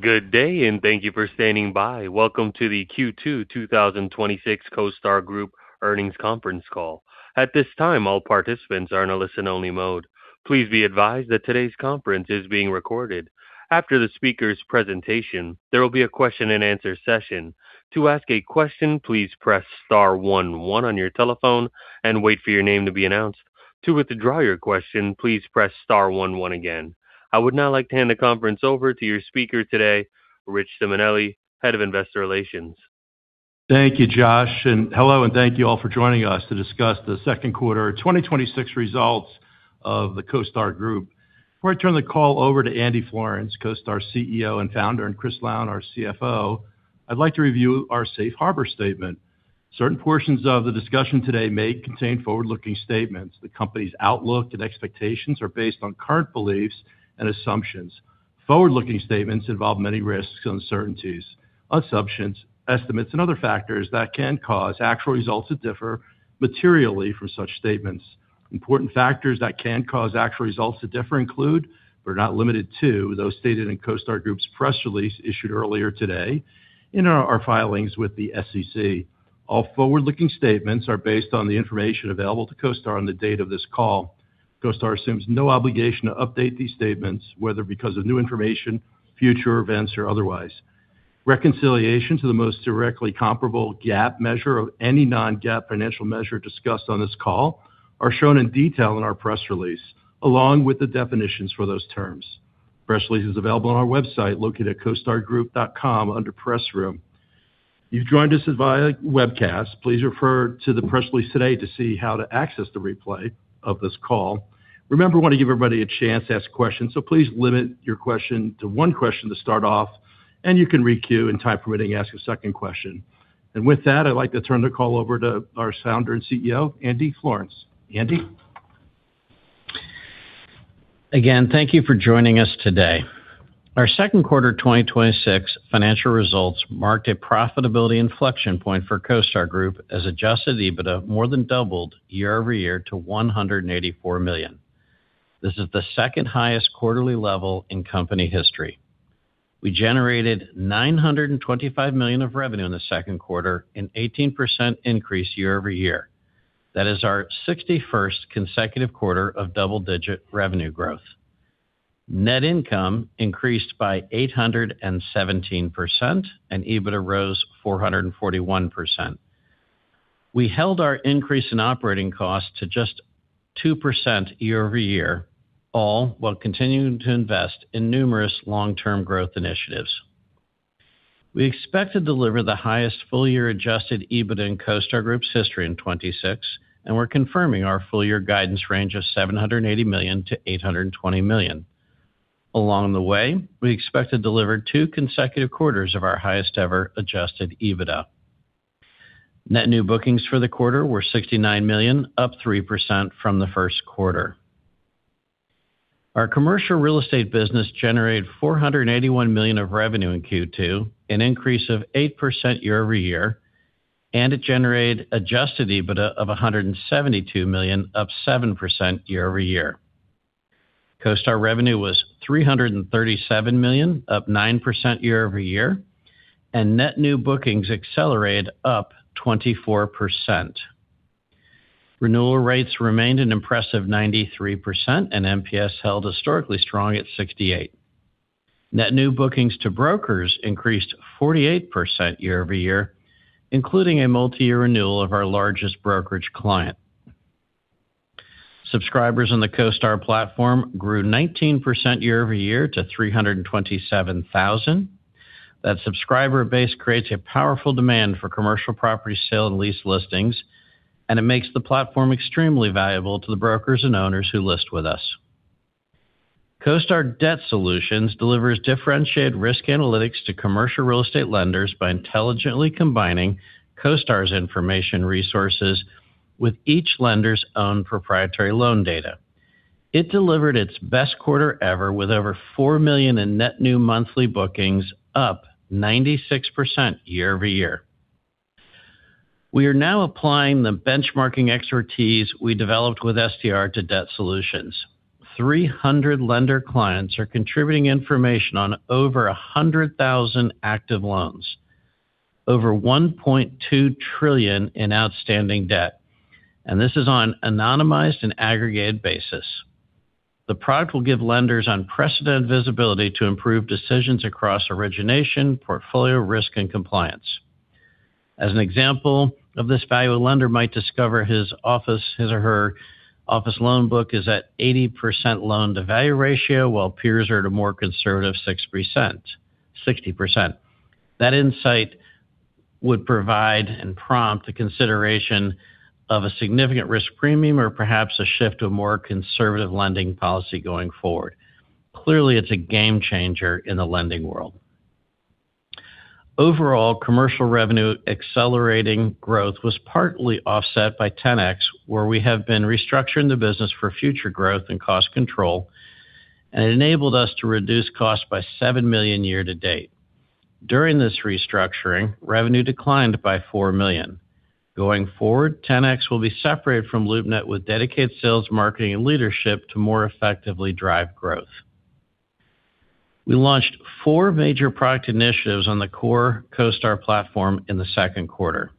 Good day, and thank you for standing by. Welcome to the Q2 2026 CoStar Group earnings conference call. At this time, all participants are in a listen-only mode. Please be advised that today's conference is being recorded. After the speaker's presentation, there will be a question-and-answer session. To ask a question, please press star one one on your telephone and wait for your name to be announced. To withdraw your question, please press star one one again. I would now like to hand the conference over to your speaker today, Rich Simonelli, Head of Investor Relations. Thank you, Josh. Hello, and thank you all for joining us to discuss the second quarter 2026 results of the CoStar Group. Before I turn the call over to Andy Florance, CoStar CEO and Founder, and Chris Lown, our CFO, I'd like to review our safe harbor statement. Certain portions of the discussion today may contain forward-looking statements. The company's outlook and expectations are based on current beliefs and assumptions. Forward-looking statements involve many risks, uncertainties, assumptions, estimates, and other factors that can cause actual results to differ materially from such statements. Important factors that can cause actual results to differ include, but are not limited to, those stated in CoStar Group's press release issued earlier today in our filings with the SEC. All forward-looking statements are based on the information available to CoStar on the date of this call. CoStar assumes no obligation to update these statements, whether because of new information, future events, or otherwise. Reconciliation to the most directly comparable GAAP measure of any non-GAAP financial measure discussed on this call are shown in detail in our press release, along with the definitions for those terms. Press release is available on our website located at costargroup.com under Press Room. You've joined us via webcast. Please refer to the press release today to see how to access the replay of this call. Remember, we want to give everybody a chance to ask questions, so please limit your question to one question to start off, and you can re-queue and, time permitting, ask a second question. With that, I'd like to turn the call over to our Founder and CEO, Andy Florance. Andy? Again, thank you for joining us today. Our second quarter 2026 financial results marked a profitability inflection point for CoStar Group as adjusted EBITDA more than doubled year-over-year to $184 million. This is the second highest quarterly level in company history. We generated $925 million of revenue in the second quarter, an 18% increase year-over-year. That is our 61st consecutive quarter of double-digit revenue growth. Net income increased by 817%, and EBITDA rose 441%. We held our increase in operating costs to just 2% year-over-year, all while continuing to invest in numerous long-term growth initiatives. We expect to deliver the highest full-year adjusted EBITDA in CoStar Group's history in 2026, and we're confirming our full-year guidance range of $780 million-$820 million. Along the way, we expect to deliver two consecutive quarters of our highest ever adjusted EBITDA. Net new bookings for the quarter were $69 million, up 3% from the first quarter. Our commercial real estate business generated $481 million of revenue in Q2, an increase of 8% year-over-year, and it generated adjusted EBITDA of $172 million, up 7% year-over-year. CoStar revenue was $337 million, up 9% year-over-year, and net new bookings accelerated up 24%. Renewal rates remained an impressive 93%, and NPS held historically strong at 68. Net new bookings to brokers increased 48% year-over-year, including a multi-year renewal of our largest brokerage client. Subscribers on the CoStar platform grew 19% year-over-year to 327,000. That subscriber base creates a powerful demand for commercial property sale and lease listings, and it makes the platform extremely valuable to the brokers and owners who list with us. CoStar Debt Solutions delivers differentiated risk analytics to commercial real estate lenders by intelligently combining CoStar's information resources with each lender's own proprietary loan data. It delivered its best quarter ever with over $4 million in net new monthly bookings, up 96% year-over-year. We are now applying the benchmarking expertise we developed with STR to debt solutions. 300 lender clients are contributing information on over 100,000 active loans, over $1.2 trillion in outstanding debt, and this is on an anonymized and aggregate basis. The product will give lenders unprecedent visibility to improve decisions across origination, portfolio risk, and compliance. As an example of this value, a lender might discover his or her office loan book is at 80% loan-to-value ratio, while peers are at a more conservative 60%. That insight would provide and prompt a consideration of a significant risk premium or perhaps a shift to a more conservative lending policy going forward. Clearly, it's a game changer in the lending world. Overall, commercial revenue accelerating growth was partly offset by Ten-X, where we have been restructuring the business for future growth and cost control, and it enabled us to reduce costs by $7 million year-to-date. During this restructuring, revenue declined by $4 million. Going forward, Ten-X will be separated from LoopNet with dedicated sales, marketing, and leadership to more effectively drive growth. We launched four major product initiatives on the core CoStar platform in the second quarter.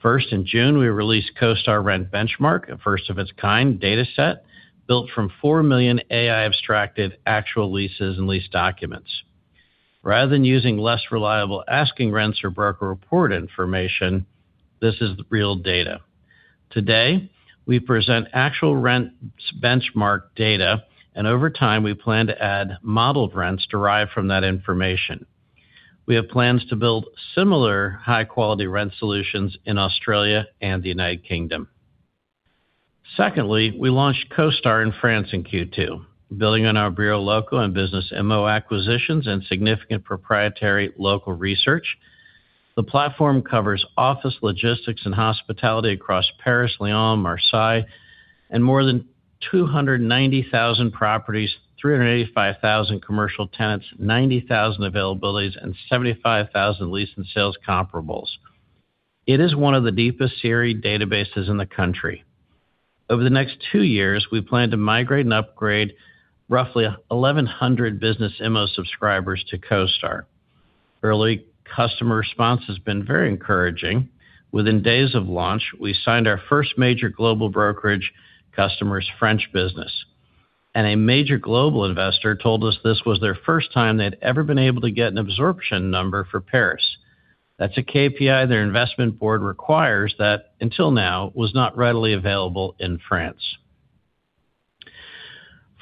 First, in June, we released CoStar Rent Benchmark, a first-of-its-kind data set built from 4 million AI-abstracted actual leases and lease documents. Rather than using less reliable asking rents or broker report information, this is real data. Today, we present actual rent benchmark data, and over time, we plan to add modeled rents derived from that information. We have plans to build similar high-quality rent solutions in Australia and the United Kingdom. Secondly, we launched CoStar in France in Q2, building on our Brio Local and Business Immo acquisitions and significant proprietary local research. The platform covers office logistics and hospitality across Paris, Lyon, Marseille, and more than 290,000 properties, 385,000 commercial tenants, 90,000 availabilities, and 75,000 lease and sales comparables. It is one of the deepest CRE databases in the country. Over the next two years, we plan to migrate and upgrade roughly 1,100 Business Immo subscribers to CoStar. Early customer response has been very encouraging. Within days of launch, we signed our first major global brokerage customer's French business, and a major global investor told us this was their first time they'd ever been able to get an absorption number for Paris. That's a KPI their investment board requires that, until now, was not readily available in France.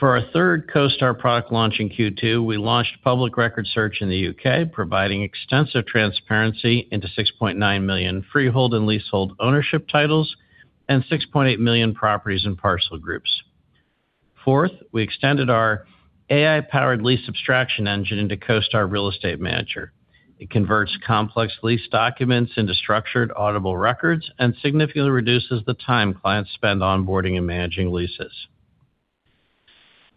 For our third CoStar product launch in Q2, we launched public record search in the U.K., providing extensive transparency into 6.9 million freehold and leasehold ownership titles and 6.8 million properties and parcel groups. Fourth, we extended our AI-powered lease abstraction engine into CoStar Real Estate Manager. It converts complex lease documents into structured audible records and significantly reduces the time clients spend onboarding and managing leases.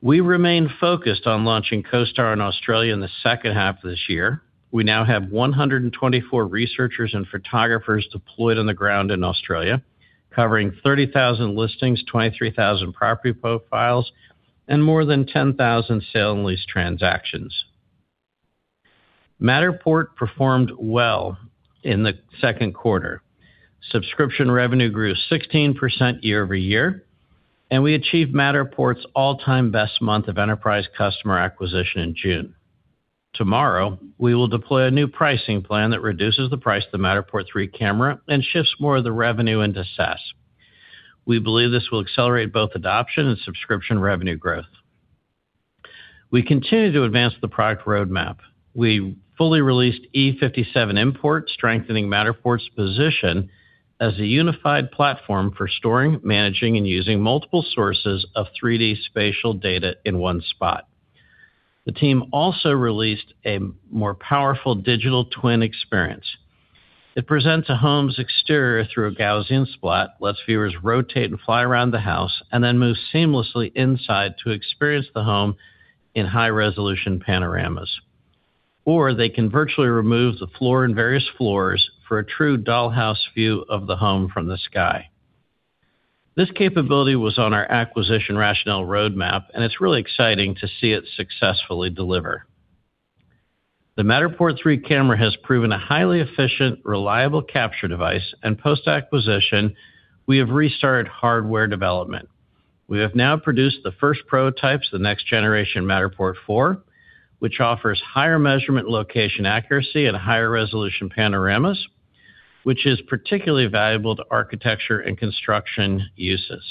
We remain focused on launching CoStar in Australia in the second half of this year. We now have 124 researchers and photographers deployed on the ground in Australia, covering 30,000 listings, 23,000 property profiles, and more than 10,000 sale and lease transactions. Matterport performed well in the second quarter. Subscription revenue grew 16% year-over-year, and we achieved Matterport's all-time best month of enterprise customer acquisition in June. Tomorrow, we will deploy a new pricing plan that reduces the price of the Matterport 3 camera and shifts more of the revenue into SaaS. We believe this will accelerate both adoption and subscription revenue growth. We continue to advance the product roadmap. We fully released E57 import, strengthening Matterport's position as a unified platform for storing, managing, and using multiple sources of 3D spatial data in one spot. The team also released a more powerful digital twin experience. It presents a home's exterior through a Gaussian splat, lets viewers rotate and fly around the house, and then moves seamlessly inside to experience the home in high-resolution panoramas. Or they can virtually remove the floor and various floors for a true dollhouse view of the home from the sky. This capability was on our acquisition rationale roadmap, and it's really exciting to see it successfully deliver. The Matterport 3 camera has proven a highly efficient, reliable capture device, and post-acquisition, we have restarted hardware development. We have now produced the first prototypes of the next generation Matterport 4, which offers higher measurement location accuracy and higher resolution panoramas, which is particularly valuable to architecture and construction uses.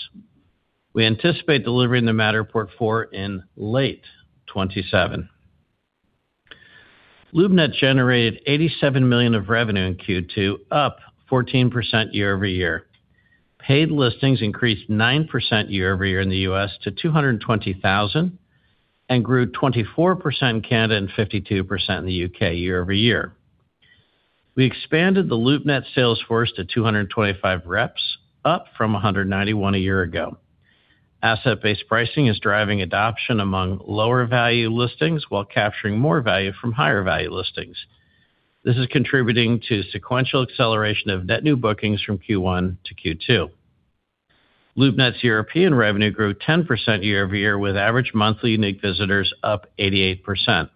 We anticipate delivering the Matterport 4 in late 2027. LoopNet generated $87 million of revenue in Q2, up 14% year-over-year. Paid listings increased 9% year-over-year in the U.S. to 220,000 and grew 24% in Canada and 52% in the U.K. year-over-year. We expanded the LoopNet sales force to 225 reps, up from 191 a year ago. Asset-based pricing is driving adoption among lower-value listings while capturing more value from higher-value listings. This is contributing to sequential acceleration of net new bookings from Q1 to Q2. LoopNet's European revenue grew 10% year-over-year, with average monthly unique visitors up 88%.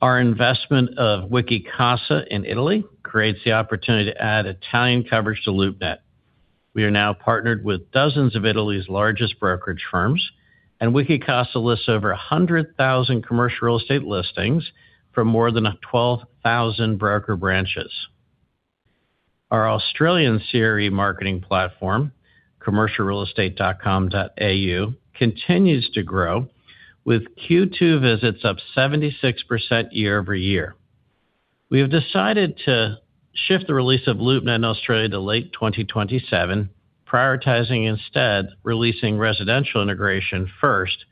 Our investment of Wikicasa in Italy creates the opportunity to add Italian coverage to LoopNet. We are now partnered with dozens of Italy's largest brokerage firms, and Wikicasa lists over 100,000 commercial real estate listings from more than 12,000 broker branches. Our Australian CRE marketing platform, commercialrealestate.com.au, continues to grow, with Q2 visits up 76% year-over-year. We have decided to shift the release of LoopNet in Australia to late 2027, prioritizing instead releasing residential integration first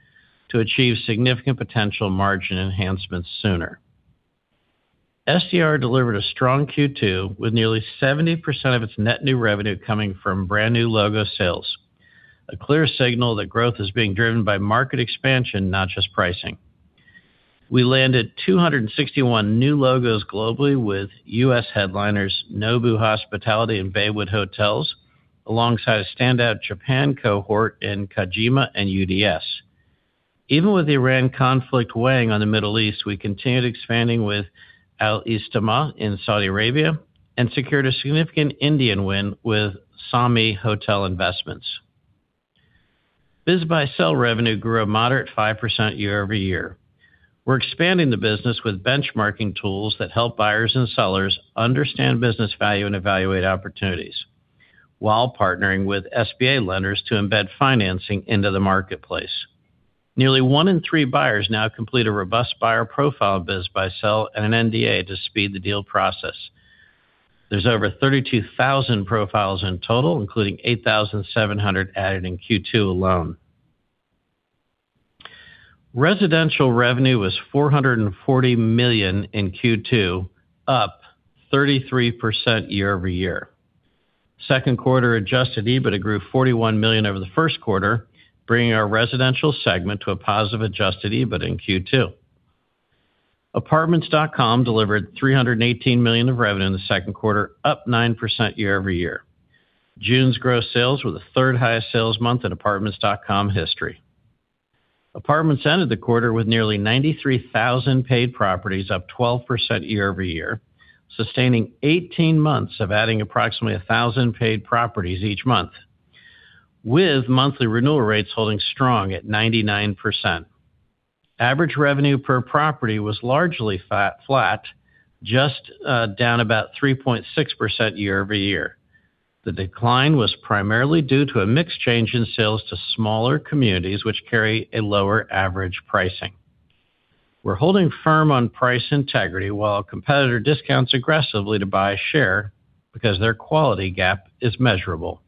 to achieve significant potential margin enhancements sooner. STR delivered a strong Q2 with nearly 70% of its net new revenue coming from brand new logo sales, a clear signal that growth is being driven by market expansion, not just pricing. We landed 261 new logos globally with U.S. headliners Nobu Hospitality and Baywood Hotels, alongside a standout Japan cohort in Kajima and UDS. Even with the Iran conflict weighing on the Middle East, we continued expanding with Alistithmar in Saudi Arabia and secured a significant Indian win with Samhi Hotel Investments. BizBuySell revenue grew a moderate 5% year-over-year. We're expanding the business with benchmarking tools that help buyers and sellers understand business value and evaluate opportunities while partnering with SBA lenders to embed financing into the marketplace. Nearly one in three buyers now complete a robust buyer profile in BizBuySell and an NDA to speed the deal process. There's over 32,000 profiles in total, including 8,700 added in Q2 alone. Residential revenue was $440 million in Q2, up 33% year-over-year. Second quarter adjusted EBITDA grew $41 million over the first quarter, bringing our residential segment to a positive adjusted EBITDA in Q2. Apartments.com delivered $318 million of revenue in the second quarter, up 9% year-over-year. June's gross sales were the third-highest sales month in Apartments.com history. Apartments entered the quarter with nearly 93,000 paid properties, up 12% year-over-year, sustaining 18 months of adding approximately 1,000 paid properties each month, with monthly renewal rates holding strong at 99%. Average revenue per property was largely flat, just down about 3.6% year-over-year. The decline was primarily due to a mix change in sales to smaller communities, which carry a lower average pricing. We're holding firm on price integrity while a competitor discounts aggressively to buy a share because their quality gap is measurable.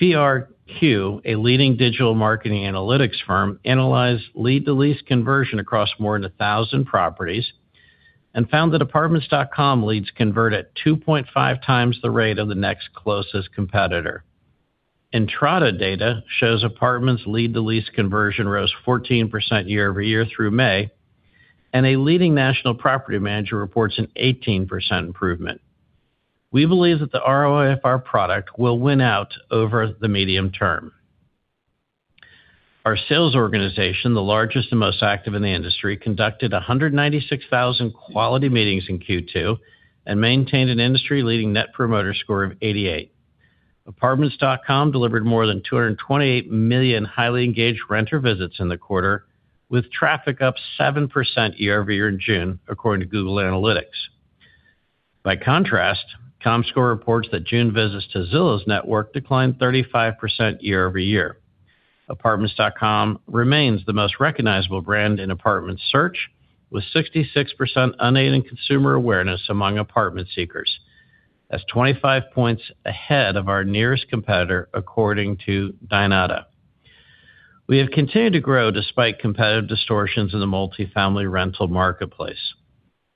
PERQ, a leading digital marketing analytics firm, analyzed lead-to-lease conversion across more than 1,000 properties and found that Apartments.com leads convert at 2.5x the rate of the next closest competitor. Entrata data shows Apartments lead-to-lease conversion rose 14% year-over-year through May, and a leading national property manager reports an 18% improvement. We believe that the ROI of our product will win out over the medium term. Our sales organization, the largest and most active in the industry, conducted 196,000 quality meetings in Q2 and maintained an industry-leading Net Promoter Score of 88. Apartments.com delivered more than $228 million highly engaged renter visits in the quarter, with traffic up 7% year-over-year in June, according to Google Analytics. By contrast, Comscore reports that June visits to Zillow's network declined 35% year-over-year. Apartments.com remains the most recognizable brand in apartment search, with 66% unaided consumer awareness among apartment seekers. That's 25 points ahead of our nearest competitor, according to Dynata. We have continued to grow despite competitive distortions in the multifamily rental marketplace.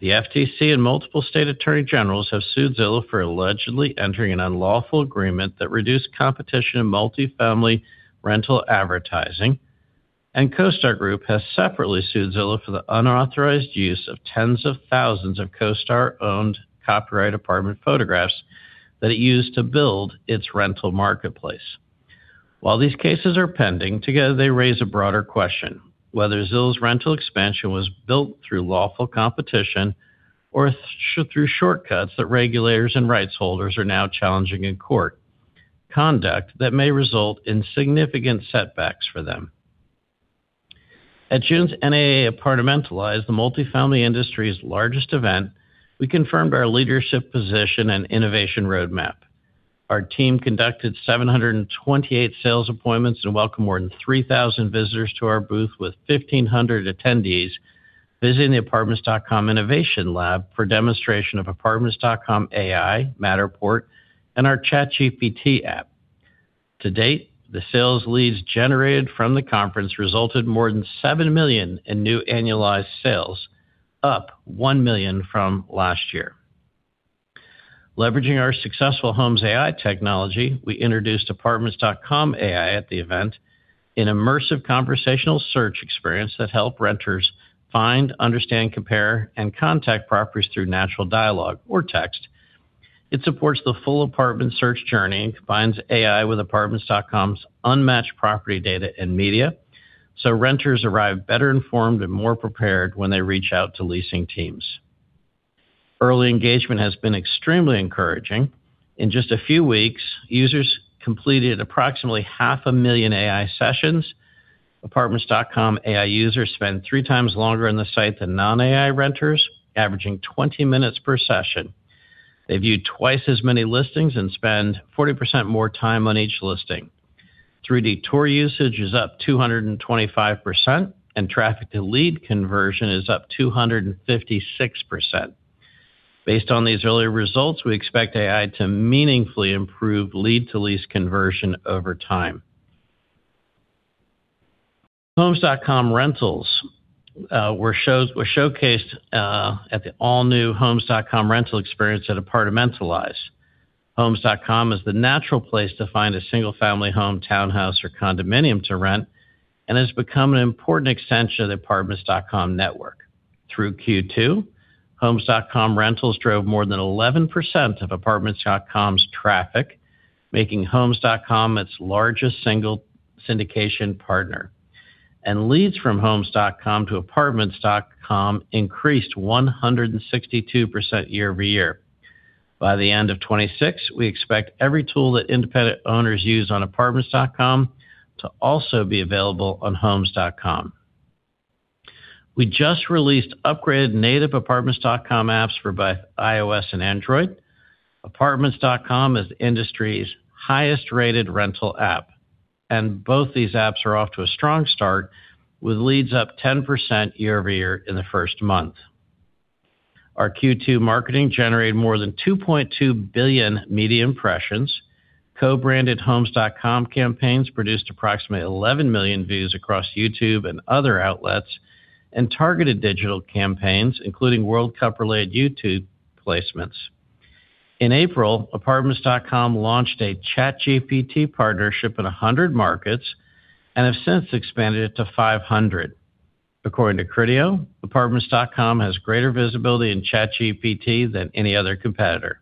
The FTC and multiple state attorney generals have sued Zillow for allegedly entering an unlawful agreement that reduced competition in multifamily rental advertising, and CoStar Group has separately sued Zillow for the unauthorized use of tens of thousands of CoStar-owned copyright apartment photographs that it used to build its rental marketplace. While these cases are pending, together, they raise a broader question whether Zillow's rental expansion was built through lawful competition or through shortcuts that regulators and rights holders are now challenging in court, conduct that may result in significant setbacks for them. At June's NAA Apartmentalize, the multifamily industry's largest event, we confirmed our leadership position and innovation roadmap. Our team conducted 728 sales appointments and welcomed more than 3,000 visitors to our booth, with 1,500 attendees visiting the Apartments.com Innovation Lab for demonstration of Apartments.com AI, Matterport, and our ChatGPT app. To date, the sales leads generated from the conference resulted $7 million in new annualized sales, up $1 million from last year. Leveraging our successful Homes AI technology, we introduced Apartments.com AI at the event, an immersive conversational search experience that help renters find, understand, compare, and contact properties through natural dialogue or text. It supports the full apartment search journey and combines AI with Apartments.com's unmatched property data and media, so renters arrive better informed and more prepared when they reach out to leasing teams. Early engagement has been extremely encouraging. In just a few weeks, users completed approximately half a million AI sessions. Apartments.com AI users spend 3x longer on the site than non-AI renters, averaging 20 minutes per session. They view twice as many listings and spend 40% more time on each listing. 3D tour usage is up 225%, and traffic-to-lead conversion is up 256%. Based on these early results, we expect AI to meaningfully improve lead-to-lease conversion over time. Homes.com rentals were showcased at the all-new Homes.com rental experience at Apartmentalize. Homes.com is the natural place to find a single-family home, townhouse, or condominium to rent, and has become an important extension of the Apartments.com network. Through Q2, Homes.com rentals drove more than 11% of Apartments.com's traffic, making Homes.com its largest single syndication partner. Leads from Homes.com to Apartments.com increased 162% year-over-year. By the end of 2026, we expect every tool that independent owners use on Apartments.com to also be available on Homes.com. We just released upgraded native Apartments.com apps for both iOS and Android. Apartments.com is the industry's highest-rated rental app, and both these apps are off to a strong start with leads up 10% year-over-year in the first month. Our Q2 marketing generated more than 2.2 billion media impressions. Co-branded Homes.com campaigns produced approximately 11 million views across YouTube and other outlets, and targeted digital campaigns, including World Cup-related YouTube placements. In April, Apartments.com launched a ChatGPT partnership in 100 markets and have since expanded it to 500. According to Criteo, Apartments.com has greater visibility in ChatGPT than any other competitor.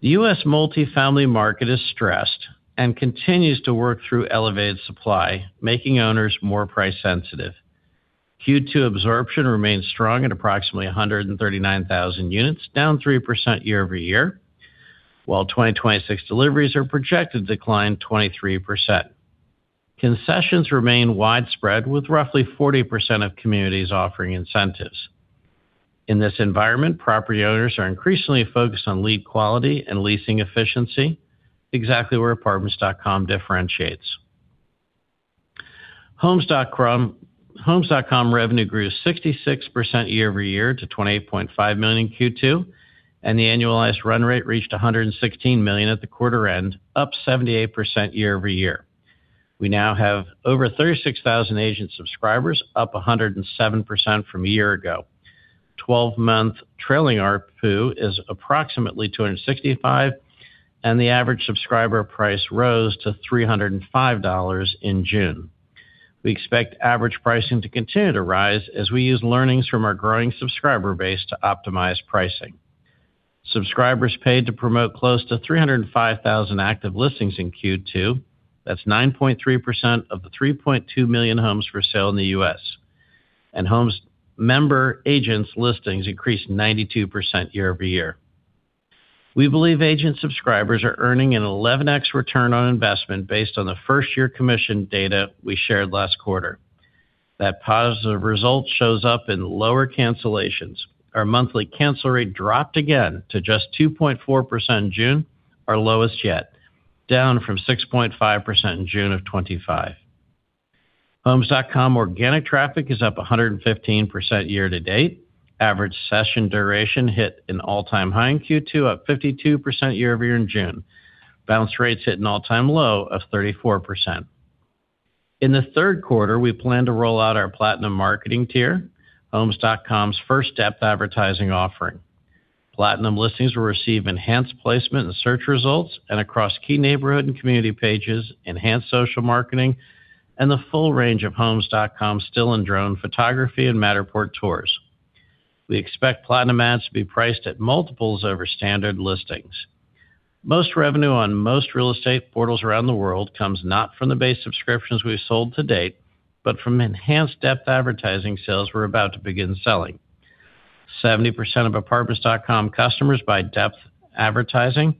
The U.S. multifamily market is stressed and continues to work through elevated supply, making owners more price sensitive. Q2 absorption remains strong at approximately 139,000 units, down 3% year-over-year, while 2026 deliveries are projected to decline 23%. Concessions remain widespread, with roughly 40% of communities offering incentives. In this environment, property owners are increasingly focused on lead quality and leasing efficiency, exactly where Apartments.com differentiates. Homes.com revenue grew 66% year-over-year to $28.5 million in Q2, and the annualized run rate reached $116 million at the quarter end, up 78% year-over-year. We now have over 36,000 agent subscribers, up 107% from a year ago. 12-month trailing ARPU is approximately $265, and the average subscriber price rose to $305 in June. We expect average pricing to continue to rise as we use learnings from our growing subscriber base to optimize pricing. Subscribers paid to promote close to 305,000 active listings in Q2. That's 9.3% of the 3.2 million homes for sale in the U.S. and Homes' member agents' listings increased 92% year-over-year. We believe agent subscribers are earning an 11x return on investment based on the first-year commission data we shared last quarter. That positive result shows up in lower cancellations. Our monthly cancel rate dropped again to just 2.4% in June, our lowest yet, down from 6.5% in June of 2025. Homes.com organic traffic is up 115% year-to-date. Average session duration hit an all-time high in Q2, up 52% year-over-year in June. Bounce rates hit an all-time low of 34%. In the third quarter, we plan to roll out our platinum marketing tier, Homes.com's first step advertising offering. Platinum listings will receive enhanced placement in search results and across key neighborhood and community pages, enhanced social marketing, and the full range of Homes.com still and drone photography and Matterport tours. We expect platinum ads to be priced at multiples over standard listings. Most revenue on most real estate portals around the world comes not from the base subscriptions we've sold to date, but from enhanced depth advertising sales we're about to begin selling. 70% of Apartments.com customers buy depth advertising,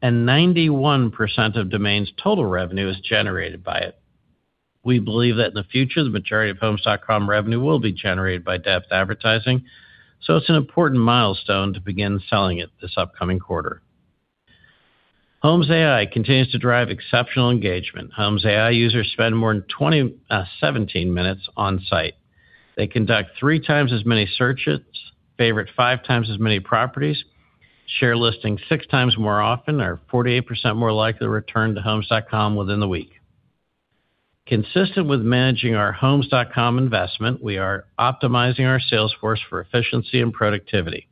and 91% of Domain's total revenue is generated by it. We believe that in the future, the majority of Homes.com revenue will be generated by depth advertising, so it's an important milestone to begin selling it this upcoming quarter. Homes AI continues to drive exceptional engagement. Homes AI users spend more than 17 minutes on site. They conduct 3x as many searches, favorite 5x as many properties, share listings 6x more often, are 48% more likely to return to Homes.com within the week. Consistent with managing our Homes.com investment, we are optimizing our sales force for efficiency and productivity,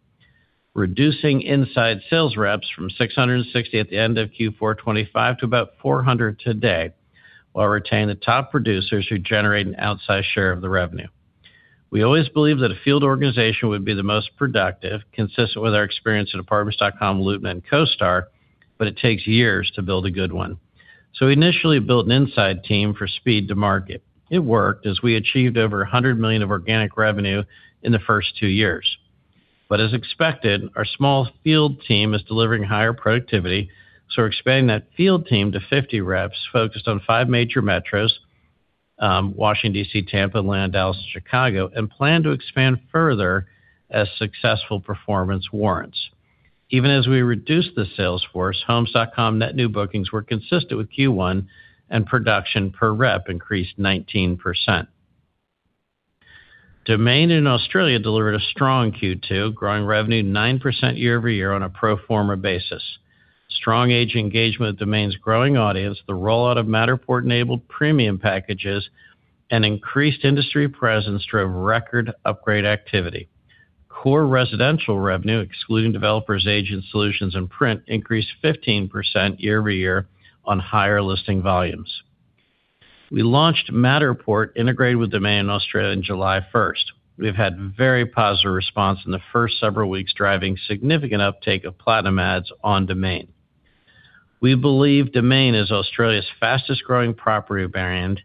reducing inside sales reps from 660 at the end of Q4 2025 to about 400 today, while retaining the top producers who generate an outsized share of the revenue. We always believe that a field organization would be the most productive, consistent with our experience at Apartments.com, LoopNet, and CoStar, but it takes years to build a good one. We initially built an inside team for speed to market. It worked, as we achieved over $100 million of organic revenue in the first two years. As expected, our small field team is delivering higher productivity. We're expanding that field team to 50 reps focused on five major metros, Washington, D.C., Tampa, Atlanta, Dallas, and Chicago, and plan to expand further as successful performance warrants. Even as we reduce the sales force, Homes.com net new bookings were consistent with Q1, and production per rep increased 19%. Domain in Australia delivered a strong Q2, growing revenue 9% year-over-year on a pro forma basis. Strong agent engagement with Domain's growing audience, the rollout of Matterport-enabled premium packages, and increased industry presence drove record upgrade activity. Core residential revenue, excluding developers, agent solutions, and print, increased 15% year-over-year on higher listing volumes. We launched Matterport integrated with Domain Australia on July 1st. We've had very positive response in the first several weeks, driving significant uptake of platinum ads on Domain. We believe Domain is Australia's fastest-growing property variant,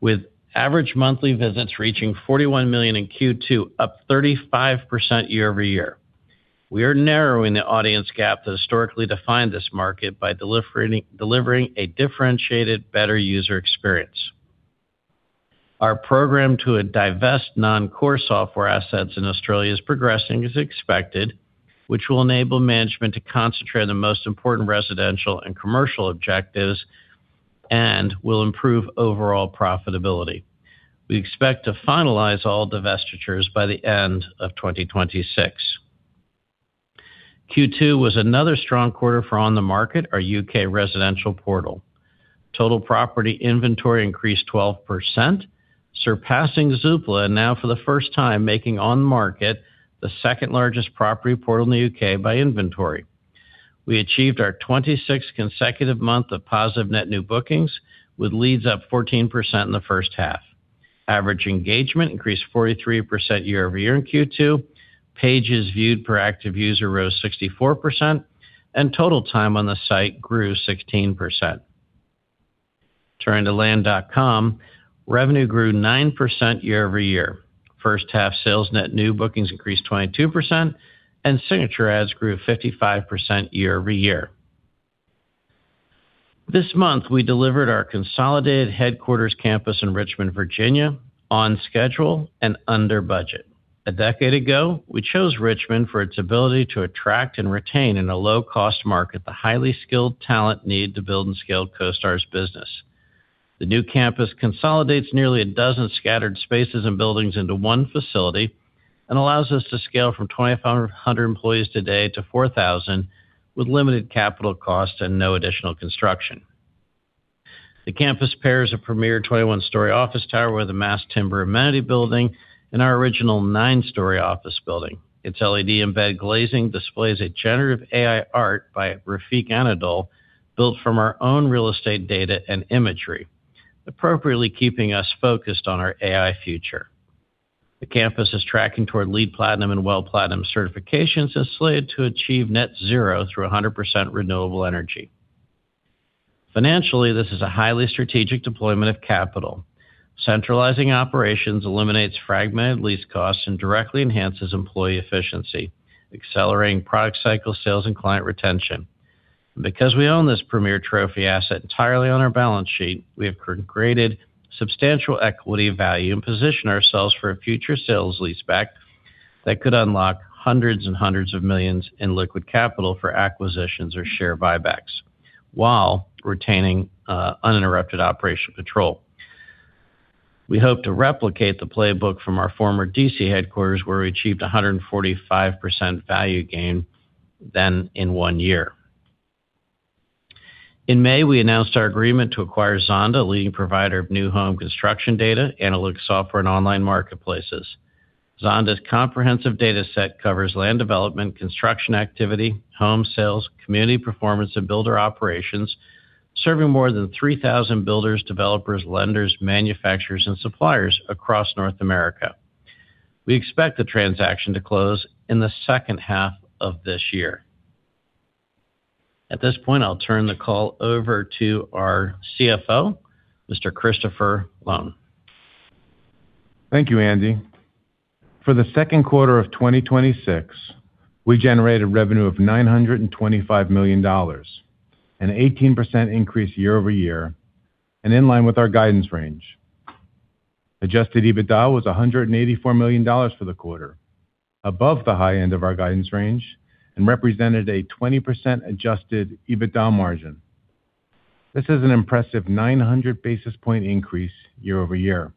with average monthly visits reaching 41 million in Q2, up 35% year-over-year. We are narrowing the audience gap that historically defined this market by delivering a differentiated better user experience. Our program to divest non-core software assets in Australia is progressing as expected, which will enable management to concentrate on the most important residential and commercial objectives and will improve overall profitability. We expect to finalize all divestitures by the end of 2026. Q2 was another strong quarter for OnTheMarket, our U.K. residential portal. Total property inventory increased 12%, surpassing Zoopla, now for the first time making OnTheMarket the second-largest property portal in the U.K. by inventory. We achieved our 26th consecutive month of positive net new bookings, with leads up 14% in the first half. Average engagement increased 43% year-over-year in Q2, pages viewed per active user rose 64%, and total time on the site grew 16%. Turning to Land.com, revenue grew 9% year-over-year. First half sales net new bookings increased 22%, and signature ads grew 55% year-over-year. This month, we delivered our consolidated headquarters campus in Richmond, Virginia, on schedule and under budget. A decade ago, we chose Richmond for its ability to attract and retain in a low-cost market the highly skilled talent needed to build and scale CoStar's business. The new campus consolidates nearly a dozen scattered spaces and buildings into one facility and allows us to scale from 2,500 employees today to 4,000 with limited capital costs and no additional construction. The campus pairs a premier 21-story office tower with a mass timber amenity building and our original nine-story office building. Its LED-embedded glazing displays a generative AI art by Refik Anadol, built from our own real estate data and imagery, appropriately keeping us focused on our AI future. The campus is tracking toward LEED Platinum and WELL Platinum certifications and is slated to achieve net zero through 100% renewable energy. Financially, this is a highly strategic deployment of capital. Centralizing operations eliminates fragmented lease costs and directly enhances employee efficiency, accelerating product cycle sales and client retention. Because we own this premier trophy asset entirely on our balance sheet, we have created substantial equity value and positioned ourselves for a future sale-leaseback that could unlock hundreds and hundreds of millions in liquid capital for acquisitions or share buybacks while retaining uninterrupted operation control. We hope to replicate the playbook from our former D.C. headquarters, where we achieved 145% value gain then in one year. In May, we announced our agreement to acquire Zonda, a leading provider of new home construction data, analytics software, and online marketplaces. Zonda's comprehensive data set covers land development, construction activity, home sales, community performance, and builder operations, serving more than 3,000 builders, developers, lenders, manufacturers, and suppliers across North America. We expect the transaction to close in the second half of this year. At this point, I'll turn the call over to our CFO, Mr. Christian Lown. Thank you, Andy. For the second quarter of 2026, we generated revenue of $925 million, an 18% increase year-over-year, and in line with our guidance range. Adjusted EBITDA was $184 million for the quarter, above the high end of our guidance range, and represented a 20% adjusted EBITDA margin. This is an impressive 900 basis point increase year-over-year.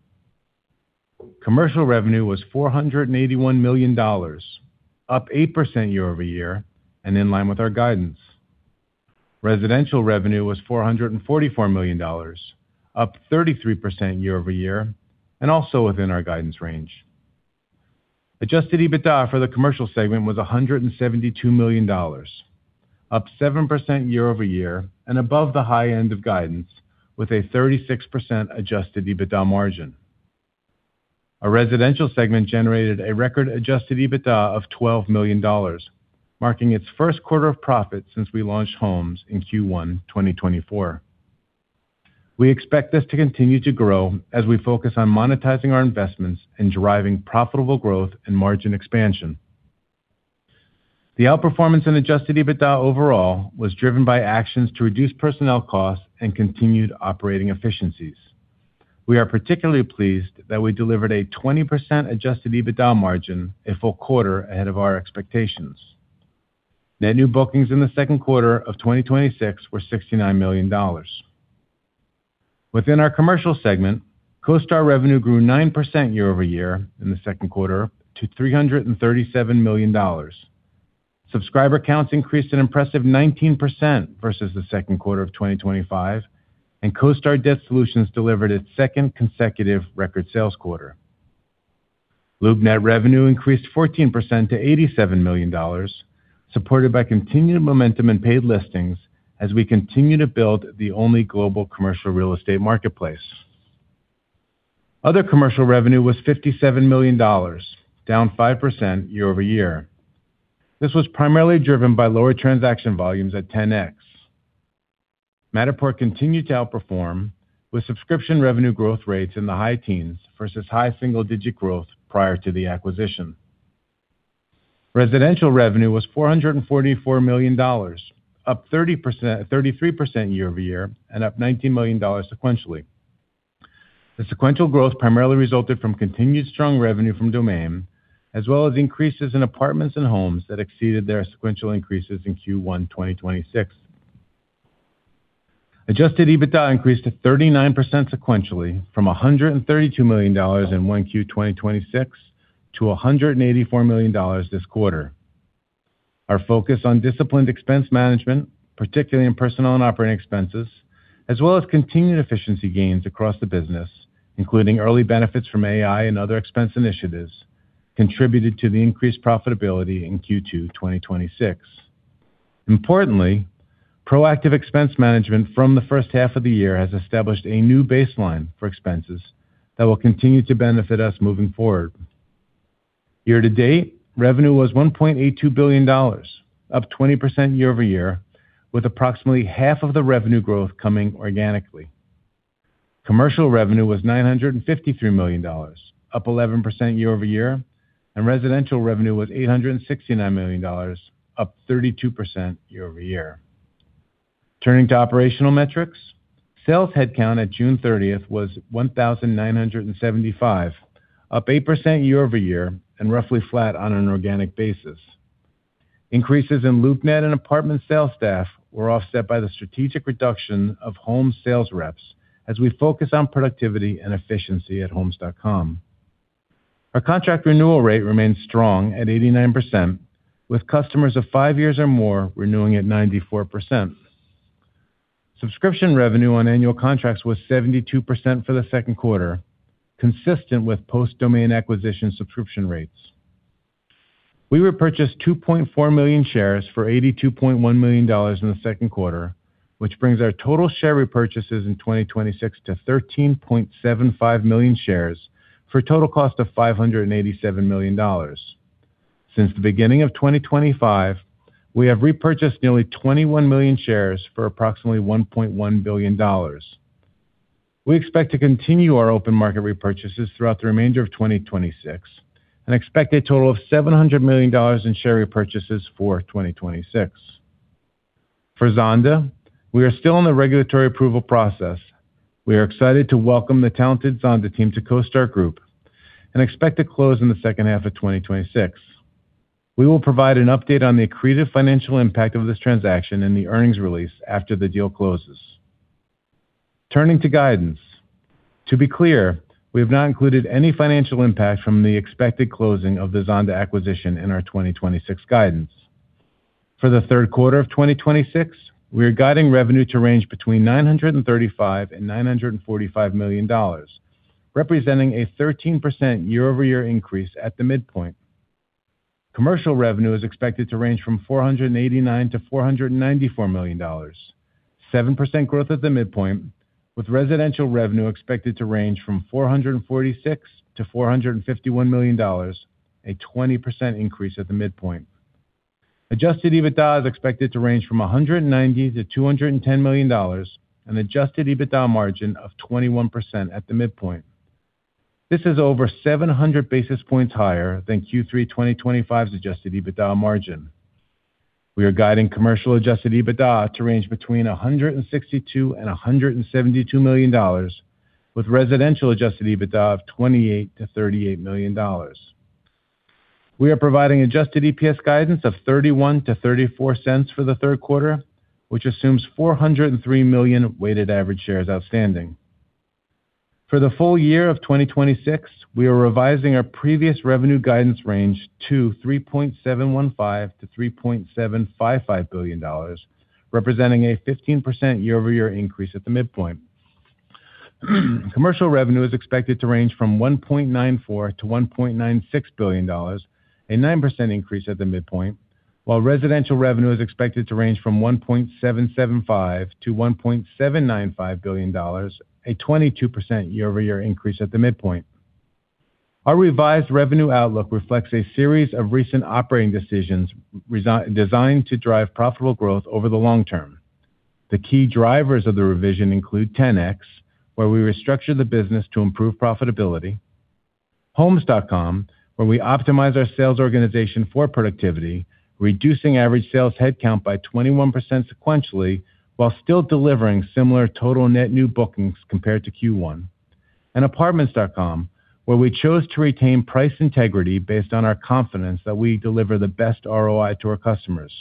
Commercial revenue was $481 million, up 8% year-over-year, and in line with our guidance. Residential revenue was $444 million, up 33% year-over-year, and also within our guidance range. Adjusted EBITDA for the commercial segment was $172 million, up 7% year-over-year, and above the high end of guidance, with a 36% adjusted EBITDA margin. Our residential segment generated a record adjusted EBITDA of $12 million, marking its first quarter of profit since we launched Homes in Q1 2024. We expect this to continue to grow as we focus on monetizing our investments and driving profitable growth and margin expansion. The outperformance in adjusted EBITDA overall was driven by actions to reduce personnel costs and continued operating efficiencies. We are particularly pleased that we delivered a 20% adjusted EBITDA margin, a full quarter ahead of our expectations. Net new bookings in the second quarter of 2026 were $69 million. Within our commercial segment, CoStar revenue grew 9% year-over-year in the second quarter to $337 million. Subscriber counts increased an impressive 19% versus the second quarter of 2025, and CoStar Debt Solutions delivered its second consecutive record sales quarter. LoopNet revenue increased 14% to $87 million, supported by continued momentum in paid listings as we continue to build the only global commercial real estate marketplace. Other commercial revenue was $57 million, down 5% year-over-year. This was primarily driven by lower transaction volumes at Ten-X. Matterport continued to outperform with subscription revenue growth rates in the high teens versus high single-digit growth prior to the acquisition. Residential revenue was $444 million, up 33% year-over-year and up $19 million sequentially. The sequential growth primarily resulted from continued strong revenue from Domain, as well as increases in Apartments and Homes that exceeded their sequential increases in Q1 2026. Adjusted EBITDA increased to 39% sequentially from $132 million in 1Q 2026 to $184 million this quarter. Our focus on disciplined expense management, particularly in personnel and operating expenses, as well as continued efficiency gains across the business, including early benefits from AI and other expense initiatives, contributed to the increased profitability in Q2 2026. Importantly, proactive expense management from the first half of the year has established a new baseline for expenses that will continue to benefit us moving forward. Year-to-date, revenue was $1.82 billion, up 20% year-over-year, with approximately half of the revenue growth coming organically. Commercial revenue was $953 million, up 11% year-over-year, and residential revenue was $869 million, up 32% year-over-year. Turning to operational metrics. Sales headcount at June 30th was 1,975, up 8% year-over-year and roughly flat on an organic basis. Increases in LoopNet and Apartments sales staff were offset by the strategic reduction of Homes sales reps as we focus on productivity and efficiency at Homes.com. Our contract renewal rate remains strong at 89%, with customers of five years or more renewing at 94%. Subscription revenue on annual contracts was 72% for the second quarter, consistent with post-Domain acquisition subscription rates. We repurchased 2.4 million shares for $82.1 million in the second quarter, which brings our total share repurchases in 2026 to 13.75 million shares for a total cost of $587 million. Since the beginning of 2025, we have repurchased nearly 21 million shares for approximately $1.1 billion. We expect to continue our open market repurchases throughout the remainder of 2026 and expect a total of $700 million in share repurchases for 2026. For Zonda, we are still in the regulatory approval process. We are excited to welcome the talented Zonda team to CoStar Group and expect to close in the second half of 2026. We will provide an update on the accreted financial impact of this transaction in the earnings release after the deal closes. Turning to guidance. To be clear, we have not included any financial impact from the expected closing of the Zonda acquisition in our 2026 guidance. For the third quarter of 2026, we are guiding revenue to range between $935 million and $945 million, representing a 13% year-over-year increase at the midpoint. Commercial revenue is expected to range from $489 million-$494 million, 7% growth at the midpoint, with residential revenue expected to range from $446 million-$451 million, a 20% increase at the midpoint. Adjusted EBITDA is expected to range from $190 million-$210 million, an adjusted EBITDA margin of 21% at the midpoint. This is over 700 basis points higher than Q3 2025's adjusted EBITDA margin. We are guiding commercial adjusted EBITDA to range between $162 million and $172 million, with residential adjusted EBITDA of $28 million-$38 million. We are providing adjusted EPS guidance of $0.31-$0.34 for the third quarter, which assumes 403 million weighted average shares outstanding. For the full year of 2026, we are revising our previous revenue guidance range to $3.715 billion-$3.755 billion, representing a 15% year-over-year increase at the midpoint. Commercial revenue is expected to range from $1.94 billion-$1.96 billion, a 9% increase at the midpoint, while residential revenue is expected to range from $1.775 billion-$1.795 billion, a 22% year-over-year increase at the midpoint. Our revised revenue outlook reflects a series of recent operating decisions designed to drive profitable growth over the long term. The key drivers of the revision include Ten-X, where we restructure the business to improve profitability. Homes.com, where we optimize our sales organization for productivity, reducing average sales headcount by 21% sequentially while still delivering similar total net new bookings compared to Q1. Apartments.com, where we chose to retain price integrity based on our confidence that we deliver the best ROI to our customers.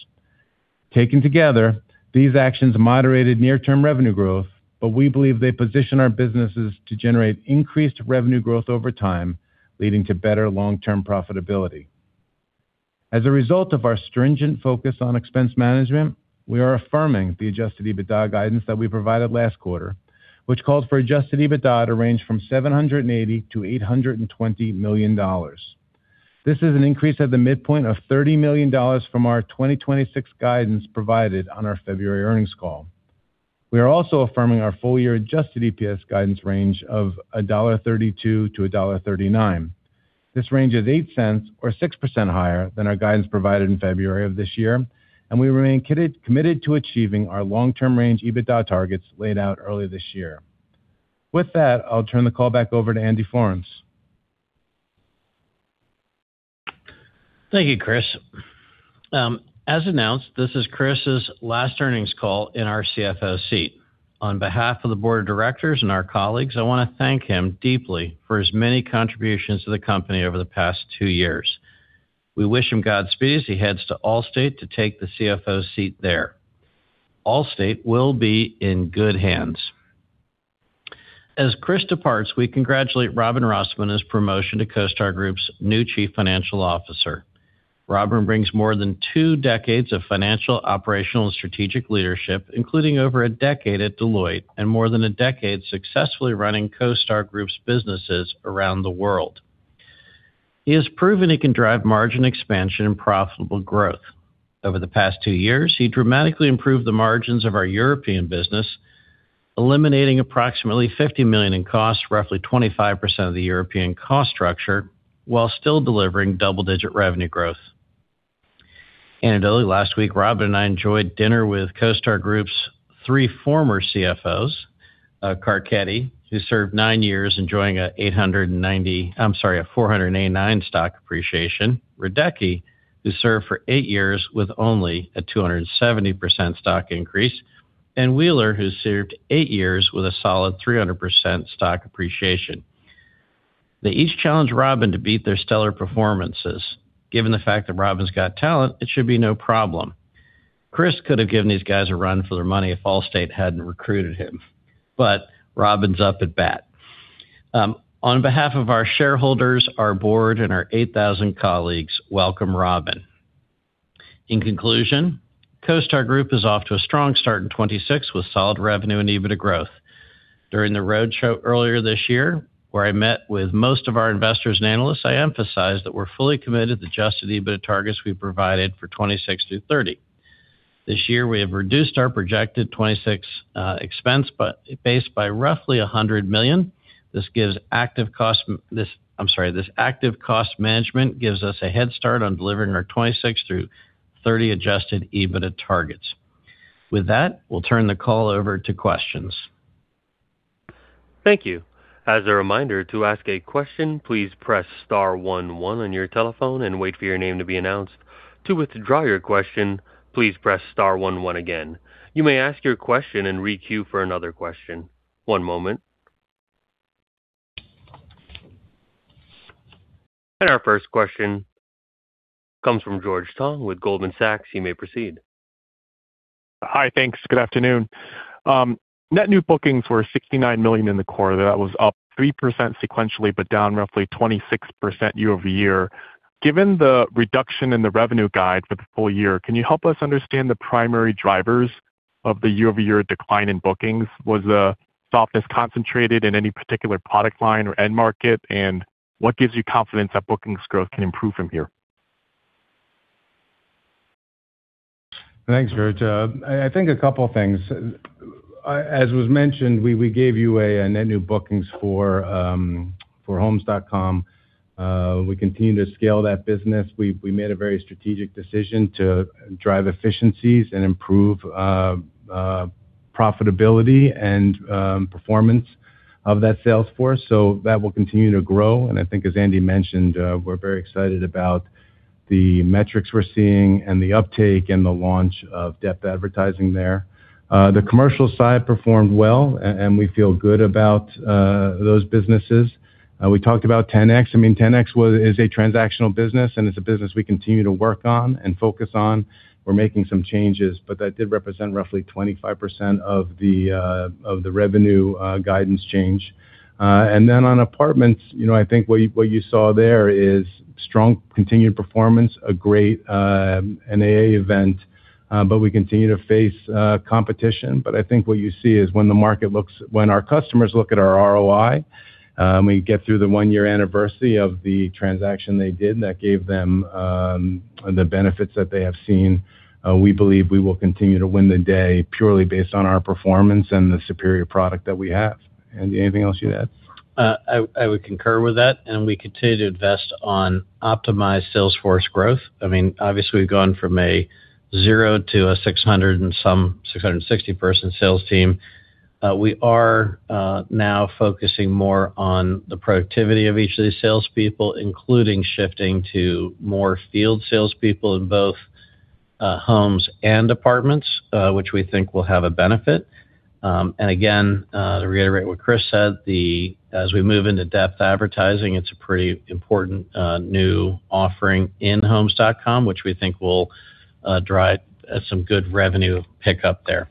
Taken together, these actions moderated near-term revenue growth, but we believe they position our businesses to generate increased revenue growth over time, leading to better long-term profitability. As a result of our stringent focus on expense management, we are affirming the adjusted EBITDA guidance that we provided last quarter, which calls for adjusted EBITDA to range from $780 million-$820 million. This is an increase at the midpoint of $30 million from our 2026 guidance provided on our February earnings call. We are also affirming our full-year adjusted EPS guidance range of $1.32-$1.39. This range is $0.08 or 6% higher than our guidance provided in February of this year. We remain committed to achieving our long-term range EBITDA targets laid out earlier this year. With that, I'll turn the call back over to Andy Florance. Thank you, Chris. As announced, this is Chris' last earnings call in our CFO seat. On behalf of the Board of Directors and our colleagues, I want to thank him deeply for his many contributions to the company over the past two years. We wish him Godspeed as he heads to Allstate to take the CFO seat there. Allstate will be in good hands. As Chris departs, we congratulate Robin Rossmann on his promotion to CoStar Group's new Chief Financial Officer. Robin brings more than two decades of financial, operational, and strategic leadership, including over a decade at Deloitte and more than a decade successfully running CoStar Group's businesses around the world. He has proven he can drive margin expansion and profitable growth. Over the past two years, he dramatically improved the margins of our European business, eliminating approximately $50 million in costs, roughly 25% of the European cost structure, while still delivering double-digit revenue growth. Anecdotally last week, Rob and I enjoyed dinner with CoStar Group's three former CFOs, Carchedi, who served nine years enjoying a 489% stock appreciation, Radecki, who served for eight years with only a 270% stock increase, and Wheeler, who served eight years with a solid 300% stock appreciation. They each challenged Robin to beat their stellar performances. Given the fact that Robin's got talent, it should be no problem. Chris could have given these guys a run for their money if Allstate hadn't recruited him, but Robin's up at bat. On behalf of our shareholders, our Board, and our 8,000 colleagues, welcome Robin. In conclusion, CoStar Group is off to a strong start in 2026 with solid revenue and EBITDA growth. During the roadshow earlier this year, where I met with most of our investors and analysts, I emphasized that we're fully committed to the adjusted EBITDA targets we provided for 2026 through 2030. This year, we have reduced our projected 2026 expense base by roughly $100 million. This active cost management gives us a headstart on delivering our 2026 through 2030 adjusted EBITDA targets. With that, we'll turn the call over to questions. Thank you. As a reminder, to ask a question, please press star one one on your telephone and wait for your name to be announced. To withdraw your question, please press star one one again. You may ask your question and re-queue for another question. One moment. Our first question comes from George Tong with Goldman Sachs. You may proceed. Hi. Thanks. Good afternoon. Net new bookings were $69 million in the quarter. That was up 3% sequentially, but down roughly 26% year-over-year. Given the reduction in the revenue guide for the full year, can you help us understand the primary drivers of the year-over-year decline in bookings? Was the softness concentrated in any particular product line or end market? What gives you confidence that bookings growth can improve from here? Thanks, George. I think a couple of things. As was mentioned, we gave you a net new bookings for Homes.com. We continue to scale that business. We made a very strategic decision to drive efficiencies and improve profitability and performance of that sales force. That will continue to grow. I think as Andy mentioned, we're very excited about the metrics we're seeing and the uptake and the launch of depth advertising there. The commercial side performed well, and we feel good about those businesses. We talked about Ten-X. I mean, Ten-X is a transactional business, and it's a business we continue to work on and focus on. We're making some changes, but that did represent roughly 25% of the revenue guidance change. Then on Apartments, I think what you saw there is strong continued performance, a great NAA event, but we continue to face competition. I think what you see is when our customers look at our ROI, we get through the one-year anniversary of the transaction they did that gave them the benefits that they have seen. We believe we will continue to win the day purely based on our performance and the superior product that we have. Andy, anything else you'd add? I would concur with that. We continue to invest on optimized sales force growth. Obviously, we have gone from a 0 to a 660-person sales team. We are now focusing more on the productivity of each of these salespeople, including shifting to more field salespeople in both Homes and Apartments, which we think will have a benefit. Again, to reiterate what Chris said, as we move into depth advertising, it's a pretty important new offering in Homes.com, which we think will drive some good revenue pickup there.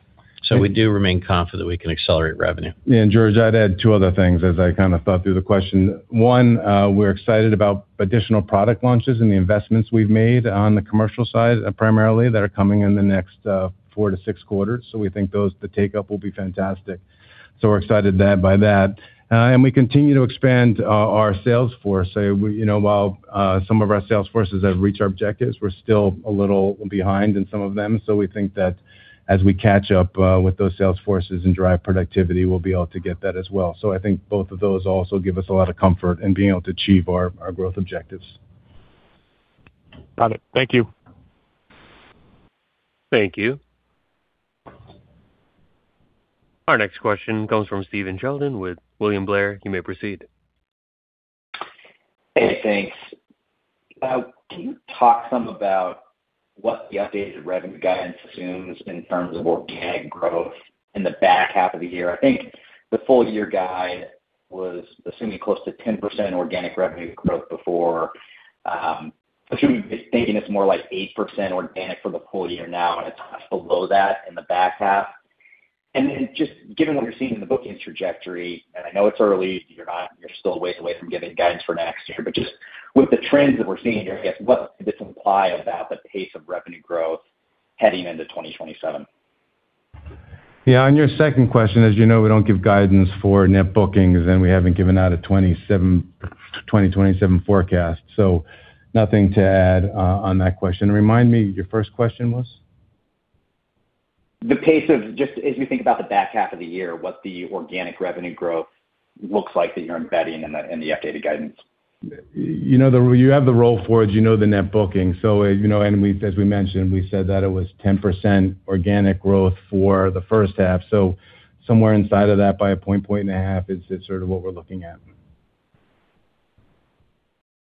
We do remain confident we can accelerate revenue. George, I would add two other things as I thought through the question. One, we are excited about additional product launches and the investments we have made on the commercial side, primarily that are coming in the next four to six quarters. We think the takeup will be fantastic. We are excited by that. We continue to expand our sales force. While some of our sales forces have reached our objectives, we are still a little behind in some of them. We think that as we catch up with those sales forces and drive productivity, we will be able to get that as well. I think both of those also give us a lot of comfort in being able to achieve our growth objectives. Got it. Thank you. Thank you. Our next question comes from Stephen Sheldon with William Blair. You may proceed. Hey, thanks. Can you talk some about what the updated revenue guidance assumes in terms of organic growth in the back half of the year? I think the full year guide was, assuming close to 10% organic revenue growth before. Assuming it's more like 8% organic for the full year now, and it's below that in the back half. Just given what you're seeing in the booking trajectory, and I know it's early, you're still a ways away from giving guidance for next year. Just with the trends that we're seeing here, what does this imply about the pace of revenue growth heading into 2027? Yeah. On your second question, as you know, we don't give guidance for net bookings, and we haven't given out a 2027 forecast. Nothing to add on that question. Remind me, your first question was? The pace of just as you think about the back half of the year, what the organic revenue growth looks like that you're embedding in the updated guidance. You have the roll forwards, you know the net booking. As we mentioned, we said that it was 10% organic growth for the first half. Somewhere inside of that by 1%, 1.5% is sort of what we're looking at.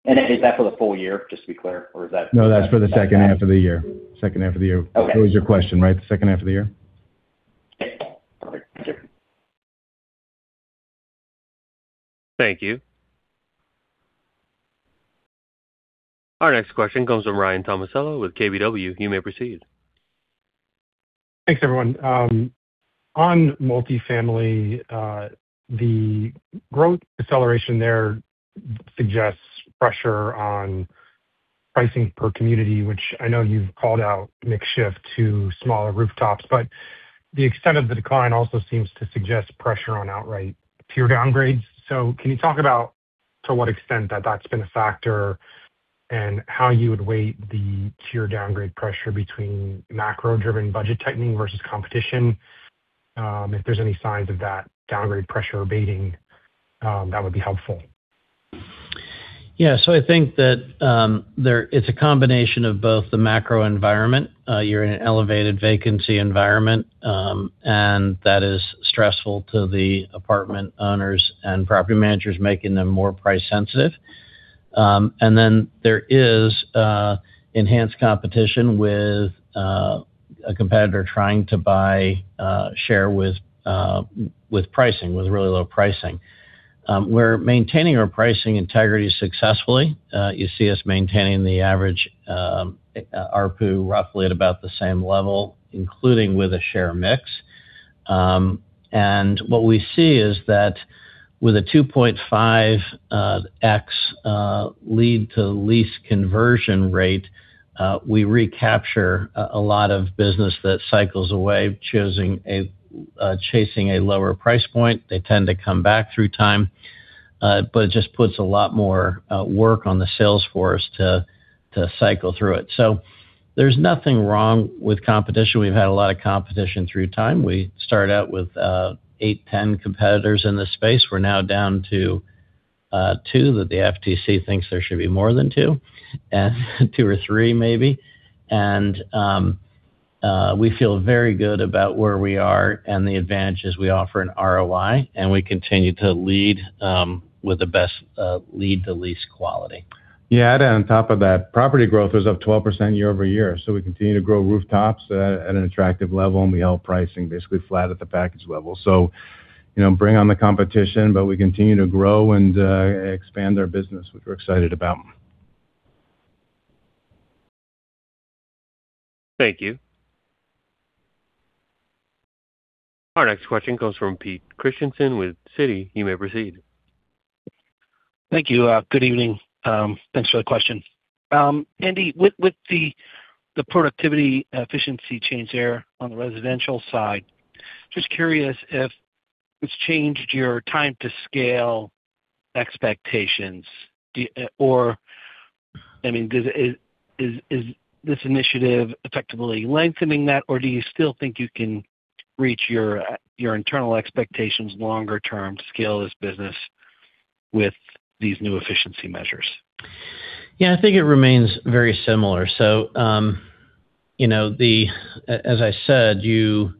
Is that for the full year, just to be clear? No, that's for the second half of the year. Second half of the year. Okay. That was your question, right? The second half of the year? Yeah. Perfect. Thank you. Thank you. Our next question comes from Ryan Tomasello with KBW. You may proceed. Thanks, everyone. On multifamily, the growth deceleration there suggests pressure on pricing per community, which I know you've called out mix shift to smaller rooftops, but the extent of the decline also seems to suggest pressure on outright tier downgrades. Can you talk about to what extent that's been a factor and how you would weigh the tier downgrade pressure between macro-driven budget tightening versus competition? If there's any signs of that downgrade pressure abating, that would be helpful. Yeah. I think that it's a combination of both the macro environment. You're in an elevated vacancy environment. That is stressful to the apartment owners and property managers, making them more price sensitive. There is enhanced competition with a competitor trying to buy share with really low pricing. We're maintaining our pricing integrity successfully. You see us maintaining the average ARPU roughly at about the same level, including with a share mix. What we see is that with a 2.5x lead-to-lease conversion rate, we recapture a lot of business that cycles away chasing a lower price point. They tend to come back through time. It just puts a lot more work on the sales force to cycle through it. There's nothing wrong with competition. We've had a lot of competition through time. We started out with eight, 10 competitors in this space. We're now down to two that the FTC thinks there should be more than two. Two or three maybe. We feel very good about where we are and the advantages we offer in ROI, we continue to lead with the best lead-to-lease quality. I'd add on top of that, property growth is up 12% year-over-year. We continue to grow rooftops at an attractive level, and we held pricing basically flat at the package level. Bring on the competition, but we continue to grow and expand our business, which we're excited about. Thank you. Our next question comes from Pete Christiansen with Citi. You may proceed. Thank you. Good evening. Thanks for the question. Andy, with the productivity efficiency change there on the residential side, just curious if it's changed your time to scale expectations. Is this initiative effectively lengthening that, or do you still think you can reach your internal expectations longer term to scale this business with these new efficiency measures? I think it remains very similar. As I said, you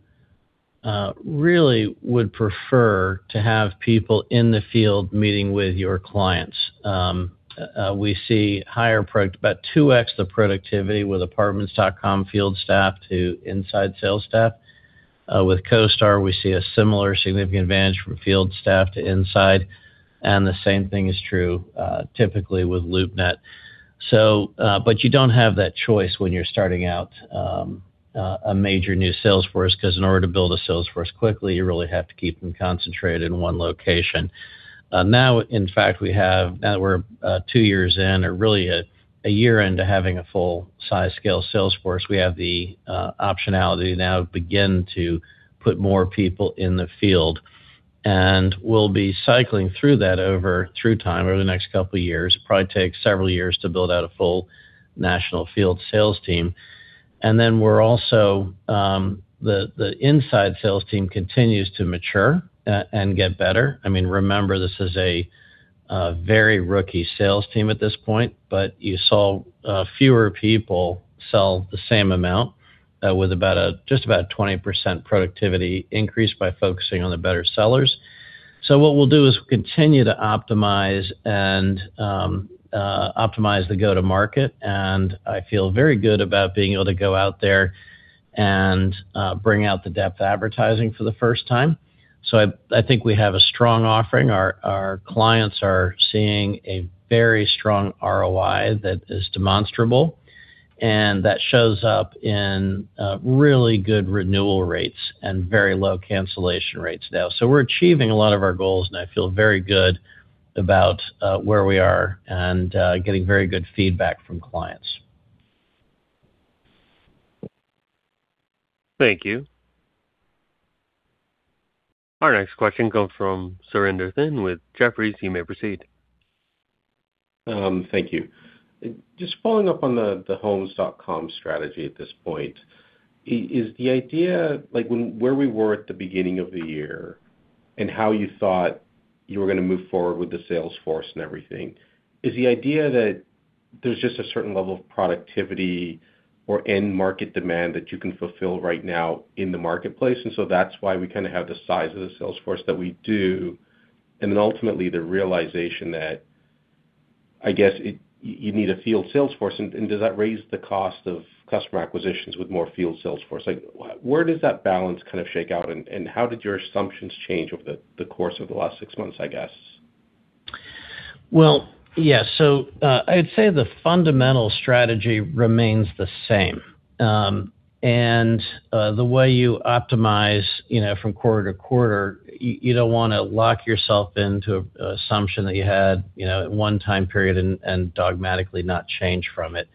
really would prefer to have people in the field meeting with your clients. We see higher, about 2x the productivity with Apartments.com field staff to inside sales staff. With CoStar, we see a similar significant advantage from field staff to inside, and the same thing is true typically with LoopNet. You don't have that choice when you're starting out a major new sales force, because in order to build a sales force quickly, you really have to keep them concentrated in one location. In fact, we're two years in, or really a year into having a full-size scale sales force. We have the optionality to now begin to put more people in the field, and we'll be cycling through that over through time, over the next couple of years. Probably take several years to build out a full national field sales team. The inside sales team continues to mature and get better. Remember, this is a very rookie sales team at this point, you saw fewer people sell the same amount with just about a 20% productivity increase by focusing on the better sellers. What we'll do is continue to optimize the go-to-market, and I feel very good about being able to go out there and bring out the depth advertising for the first time. I think we have a strong offering. Our clients are seeing a very strong ROI that is demonstrable and that shows up in really good renewal rates and very low cancellation rates now. We're achieving a lot of our goals, and I feel very good about where we are and getting very good feedback from clients. Thank you. Our next question comes from Surinder Thind with Jefferies. You may proceed. Thank you. Just following up on the Homes.com strategy at this point. Is the idea, like where we were at the beginning of the year and how you thought you were going to move forward with the sales force and everything, is the idea that there's just a certain level of productivity or end-market demand that you can fulfill right now in the marketplace. That's why we kind of have the size of the sales force that we do, then ultimately the realization that, I guess, you need a field sales force. Does that raise the cost of customer acquisitions with more field sales force? Where does that balance kind of shake out, and how did your assumptions change over the course of the last six months, I guess? Well, yes. I'd say the fundamental strategy remains the same. The way you optimize from quarter-to-quarter, you don't want to lock yourself into an assumption that you had at one time period and dogmatically not change from it.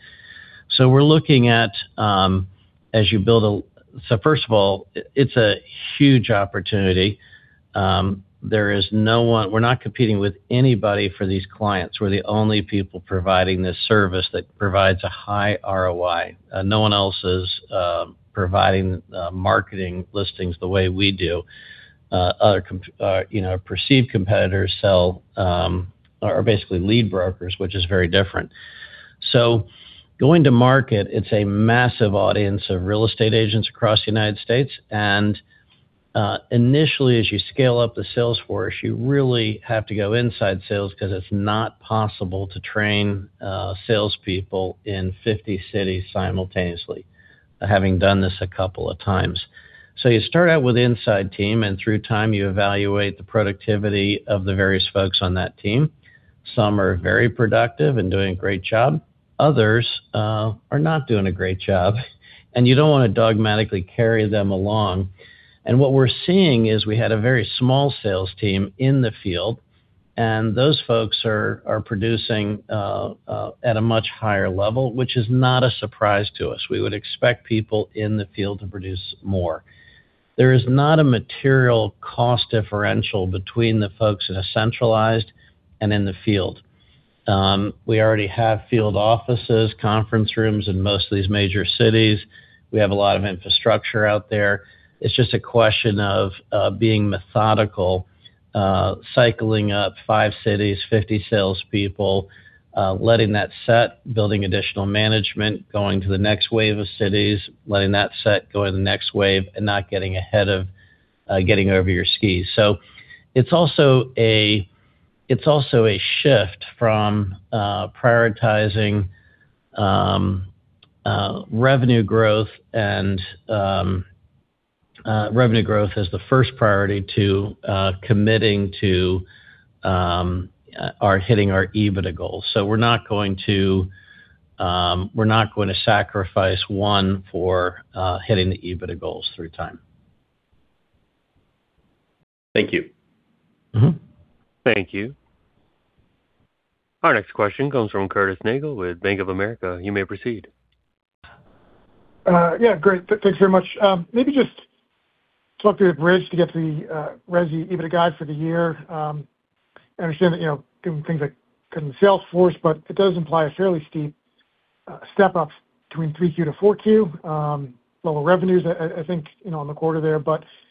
First of all, it's a huge opportunity. We're not competing with anybody for these clients. We're the only people providing this service that provides a high ROI. No one else is providing marketing listings the way we do. Our perceived competitors are basically lead brokers, which is very different. Going to market, it's a massive audience of real estate agents across the United States. Initially, as you scale up the sales force, you really have to go inside sales because it's not possible to train salespeople in 50 cities simultaneously, having done this a couple of times. You start out with inside team. Through time, you evaluate the productivity of the various folks on that team. Some are very productive and doing a great job. Others are not doing a great job, and you don't want to dogmatically carry them along. What we're seeing is we had a very small sales team in the field, and those folks are producing at a much higher level, which is not a surprise to us. We would expect people in the field to produce more. There is not a material cost differential between the folks in a centralized and in the field. We already have field offices, conference rooms in most of these major cities. We have a lot of infrastructure out there. It's just a question of being methodical, cycling up five cities, 50 salespeople, letting that set, building additional management, going to the next wave of cities, letting that set go to the next wave, and not getting ahead of getting over your skis. It's also a shift from prioritizing revenue growth as the first priority to committing to hitting our EBITDA goals. We're not going to sacrifice one for hitting the EBITDA goals through time. Thank you. Thank you. Our next question comes from Curtis Nagle with Bank of America. You may proceed. Yeah, great. Thanks very much. Maybe just talk through the bridge to get to the resi EBITDA guide for the year. I understand that things like cutting the sales force, it does imply a fairly steep step-up between Q3 to Q4. Lower revenues, I think, on the quarter there.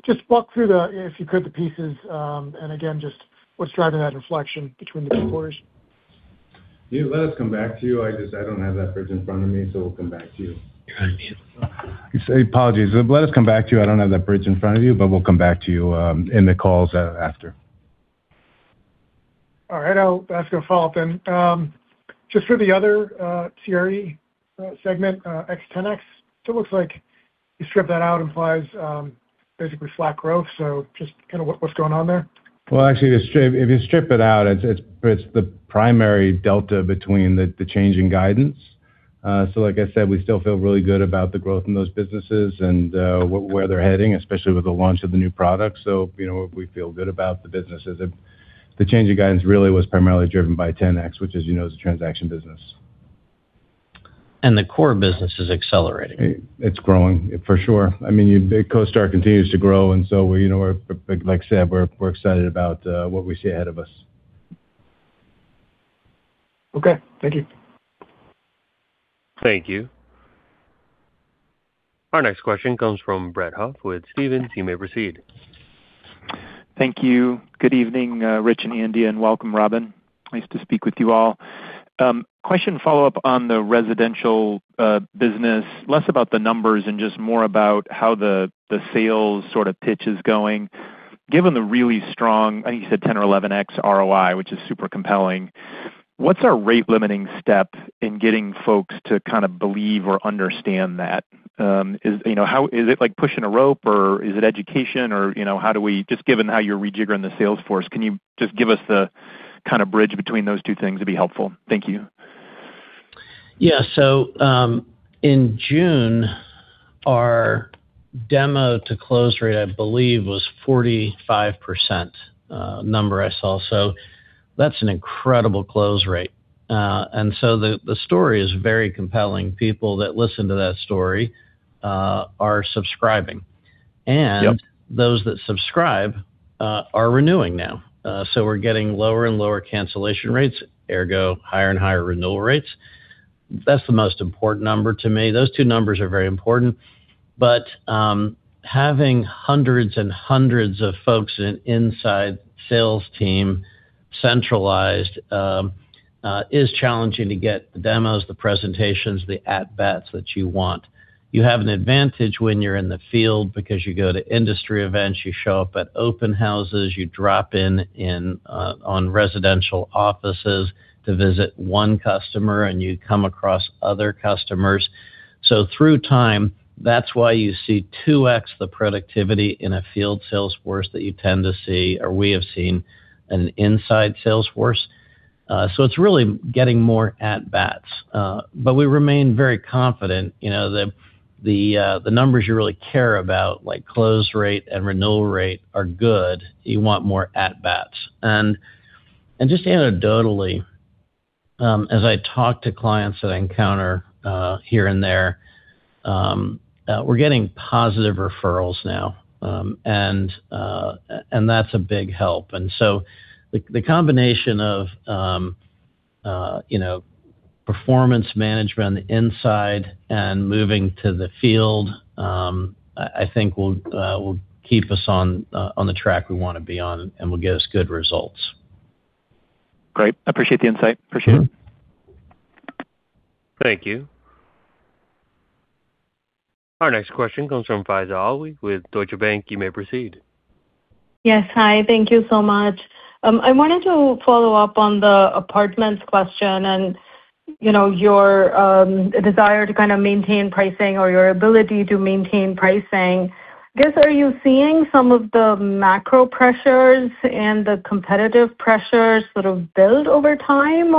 Just walk through the, if you could, the pieces, and again, just what's driving that inflection between the two quarters? Yeah. Let us come back to you. I don't have that bridge in front of me, so we'll come back to you. Got you. I said apologies. Let us come back to you. I don't have that bridge in front of you, but we'll come back to you in the calls after. All right. I'll ask a follow-up then. Just for the other CRE segment, ex-Ten-X, it looks like you strip that out implies basically flat growth. Just what's going on there? Well, actually, if you strip it out, it's the primary delta between the change in guidance. Like I said, we still feel really good about the growth in those businesses and where they're heading, especially with the launch of the new product. We feel good about the businesses. The change in guidance really was primarily driven by Ten-X, which is, as you know, is the transaction business. The core business is accelerating. It's growing, for sure. CoStar continues to grow, like I said, we're excited about what we see ahead of us. Okay. Thank you. Thank you. Our next question comes from Brett Huff with Stephens. You may proceed. Thank you. Good evening, Rich and Andy, and welcome, Robin. Nice to speak with you all. Question follow-up on the residential business, less about the numbers and just more about how the sales sort of pitch is going. Given the really strong, I think you said 10x or 11x ROI, which is super compelling, what's our rate limiting step in getting folks to kind of believe or understand that? Is it like pushing a rope or is it education or how do we, just given how you're rejiggering the sales force, can you just give us the kind of bridge between those two things? It'd be helpful. Thank you. Yeah. In June, our demo-to-close rate, I believe, was 45% number I saw. That's an incredible close rate. The story is very compelling. People that listen to that story are subscribing. Yep. Those that subscribe are renewing now. We're getting lower and lower cancellation rates, ergo, higher and higher renewal rates. That's the most important number to me. Those two numbers are very important. Having hundreds and hundreds of folks in inside sales team centralized is challenging to get the demos, the presentations, the at-bats that you want. You have an advantage when you're in the field because you go to industry events, you show up at open houses, you drop in on residential offices to visit one customer, and you come across other customers. Through time, that's why you see 2x the productivity in a field sales force that you tend to see, or we have seen an inside sales force. It's really getting more at-bats. We remain very confident. The numbers you really care about, like close rate and renewal rate are good. You want more at-bats. Just anecdotally, as I talk to clients that I encounter here and there, we're getting positive referrals now, and that's a big help. The combination of performance management on the inside and moving to the field, I think will keep us on the track we want to be on and will get us good results. Great. Appreciate the insight. Appreciate it. Thank you. Our next question comes from Faiza Alwy with Deutsche Bank. You may proceed. Yes. Hi. Thank you so much. I wanted to follow up on the Apartments question and your desire to kind of maintain pricing or your ability to maintain pricing. I guess, are you seeing some of the macro pressures and the competitive pressures sort of build over time?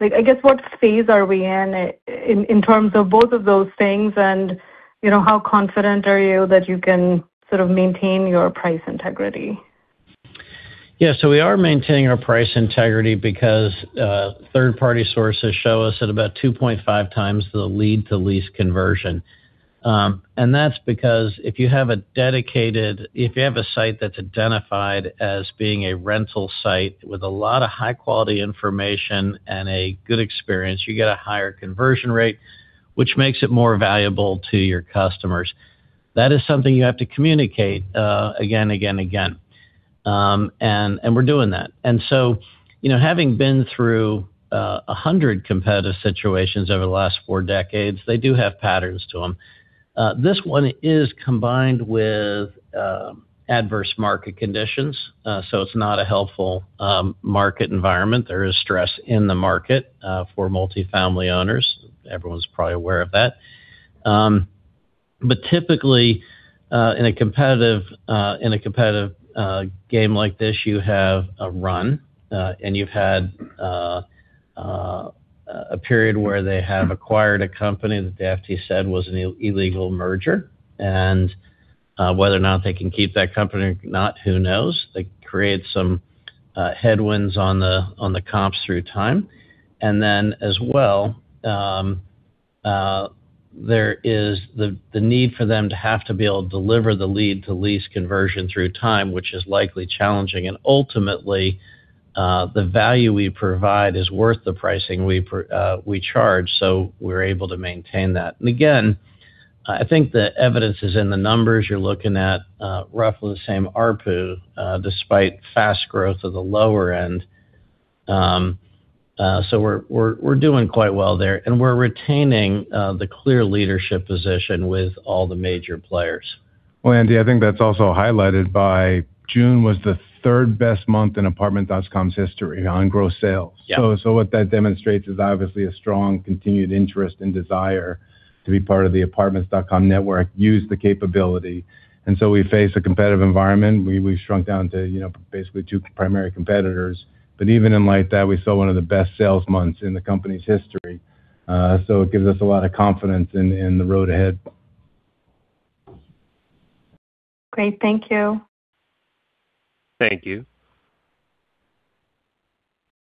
I guess, what phase are we in terms of both of those things and how confident are you that you can sort of maintain your price integrity? Yeah. We are maintaining our price integrity because third-party sources show us at about 2.5x the lead-to-lease conversion. That's because if you have a site that's identified as being a rental site with a lot of high-quality information and a good experience, you get a higher conversion rate, which makes it more valuable to your customers. That is something you have to communicate again and again and again. We're doing that. Having been through 100 competitive situations over the last four decades, they do have patterns to them. This one is combined with adverse market conditions. It's not a helpful market environment. There is stress in the market for multifamily owners. Everyone's probably aware of that. Typically, in a competitive game like this, you have a run, and you've had a period where they have acquired a company that the FTC said was an illegal merger. Whether or not they can keep that company or not, who knows? They create some headwinds on the comps through time. Then as well, there is the need for them to have to be able to deliver the lead-to-lease conversion through time, which is likely challenging. Ultimately, the value we provide is worth the pricing we charge. We're able to maintain that. Again, I think the evidence is in the numbers. You're looking at roughly the same ARPU, despite fast growth of the lower end. So we're doing quite well there, and we're retaining the clear leadership position with all the major players. Well, Andy, I think that's also highlighted by June was the third-best month in Apartments.com's history on gross sales. Yeah. What that demonstrates is obviously a strong continued interest and desire to be part of the Apartments.com network, use the capability. We face a competitive environment. We've shrunk down to basically two primary competitors. Even in light of that, we saw one of the best sales months in the company's history. It gives us a lot of confidence in the road ahead. Great. Thank you. Thank you.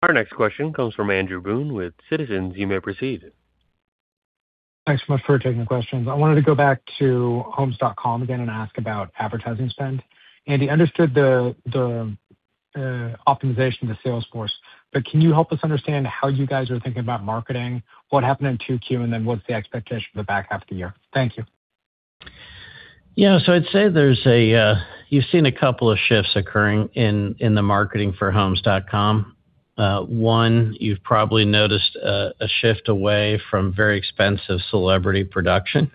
Our next question comes from Andrew Boone with Citizens. You may proceed. Thanks so much for taking the questions. I wanted to go back to Homes.com again and ask about advertising spend. Andy, understood the optimization of the sales force. Can you help us understand how you guys are thinking about marketing, what happened in 2Q, and then what's the expectation for the back half of the year? Thank you. Yeah. I'd say you've seen a couple of shifts occurring in the marketing for Homes.com. One, you've probably noticed a shift away from very expensive celebrity production.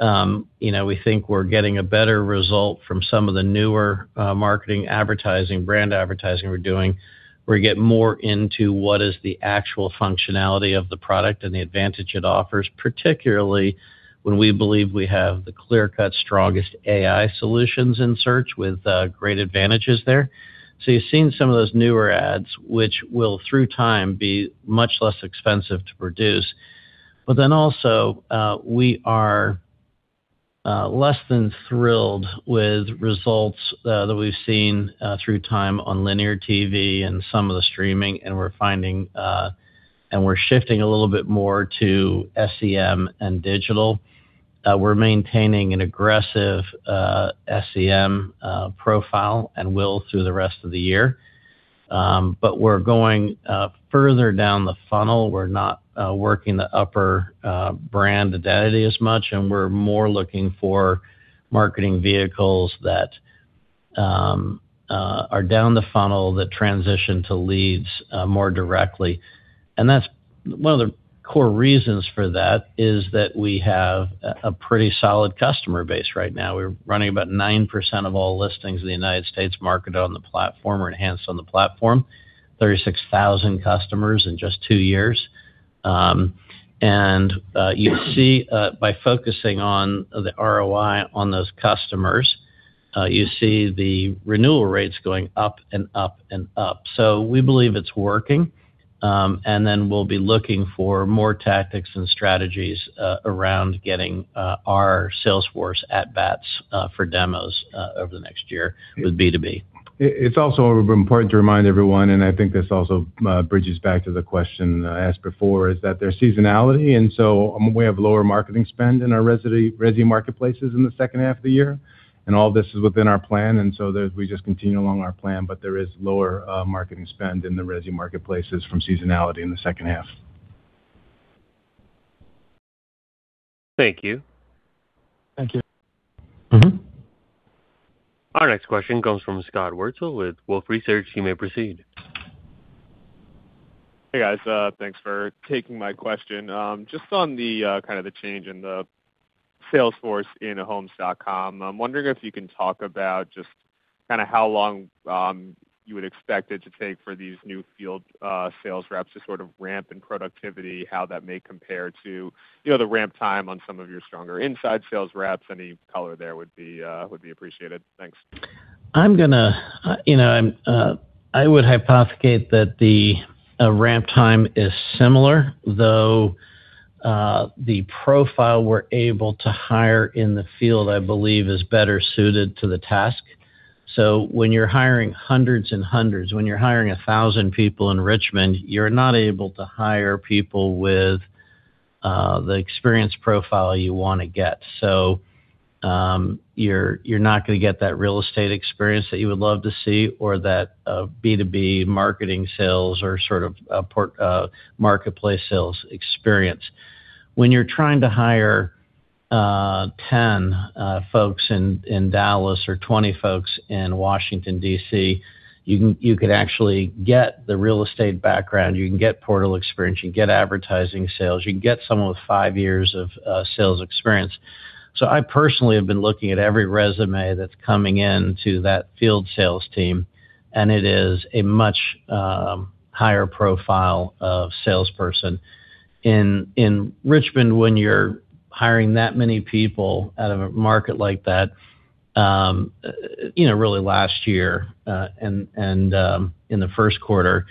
We think we're getting a better result from some of the newer marketing advertising, brand advertising we're doing. We get more into what is the actual functionality of the product and the advantage it offers, particularly when we believe we have the clear-cut strongest AI solutions in search with great advantages there. You're seeing some of those newer ads, which will, through time, be much less expensive to produce. Also, we are less than thrilled with results that we've seen through time on linear TV and some of the streaming, and we're shifting a little bit more to SEM and digital. We're maintaining an aggressive SEM profile and will through the rest of the year. We're going further down the funnel. We're not working the upper brand identity as much, and we're more looking for marketing vehicles that are down the funnel that transition to leads more directly. One of the core reasons for that is that we have a pretty solid customer base right now. We're running about 9% of all listings in the United States market on the platform or enhanced on the platform. 36,000 customers in just two years. You see, by focusing on the ROI on those customers, you see the renewal rates going up and up and up. We believe it's working, and then we'll be looking for more tactics and strategies around getting our sales force at bats for demos over the next year with B2B. It's also important to remind everyone, and I think this also bridges back to the question asked before, is that there's seasonality, and so we have lower marketing spend in our resi marketplaces in the second half of the year. All this is within our plan, and so we just continue along our plan. There is lower marketing spend in the resi marketplaces from seasonality in the second half. Thank you. Thank you. Our next question comes from Scott Wurtzel with Wolfe Research. You may proceed. Hey, guys. Thanks for taking my question. On the kind of the change in the sales force in Homes.com, I'm wondering if you can talk about just how long you would expect it to take for these new field sales reps to sort of ramp in productivity? How that may compare to the ramp time on some of your stronger inside sales reps? Any color there would be appreciated. Thanks. I would hypothesize that the ramp time is similar, though the profile we're able to hire in the field, I believe, is better suited to the task. When you're hiring hundreds and hundreds, when you're hiring 1,000 people in Richmond, you're not able to hire people with the experience profile you want to get. You're not going to get that real estate experience that you would love to see or that B2B marketing sales or sort of marketplace sales experience. When you're trying to hire 10 folks in Dallas or 20 folks in Washington, D.C., you could actually get the real estate background, you can get portal experience, you can get advertising sales, you can get someone with five years of sales experience. I personally have been looking at every resume that's coming into that field sales team, and it is a much higher profile of salesperson. In Richmond, when you're hiring that many people out of a market like that, really last year and in the first quarter,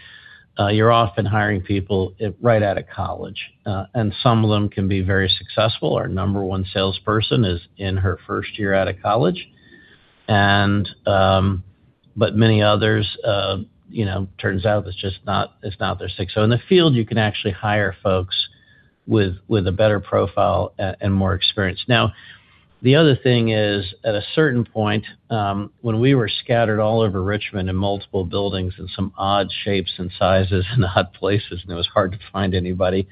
you're often hiring people right out of college. Some of them can be very successful. Our number one salesperson is in her first year out of college. Many others, turns out it's not their thing. In the field, you can actually hire folks with a better profile and more experience. The other thing is, at a certain point, when we were scattered all over Richmond in multiple buildings in some odd shapes and sizes and odd places, and it was hard to find anybody.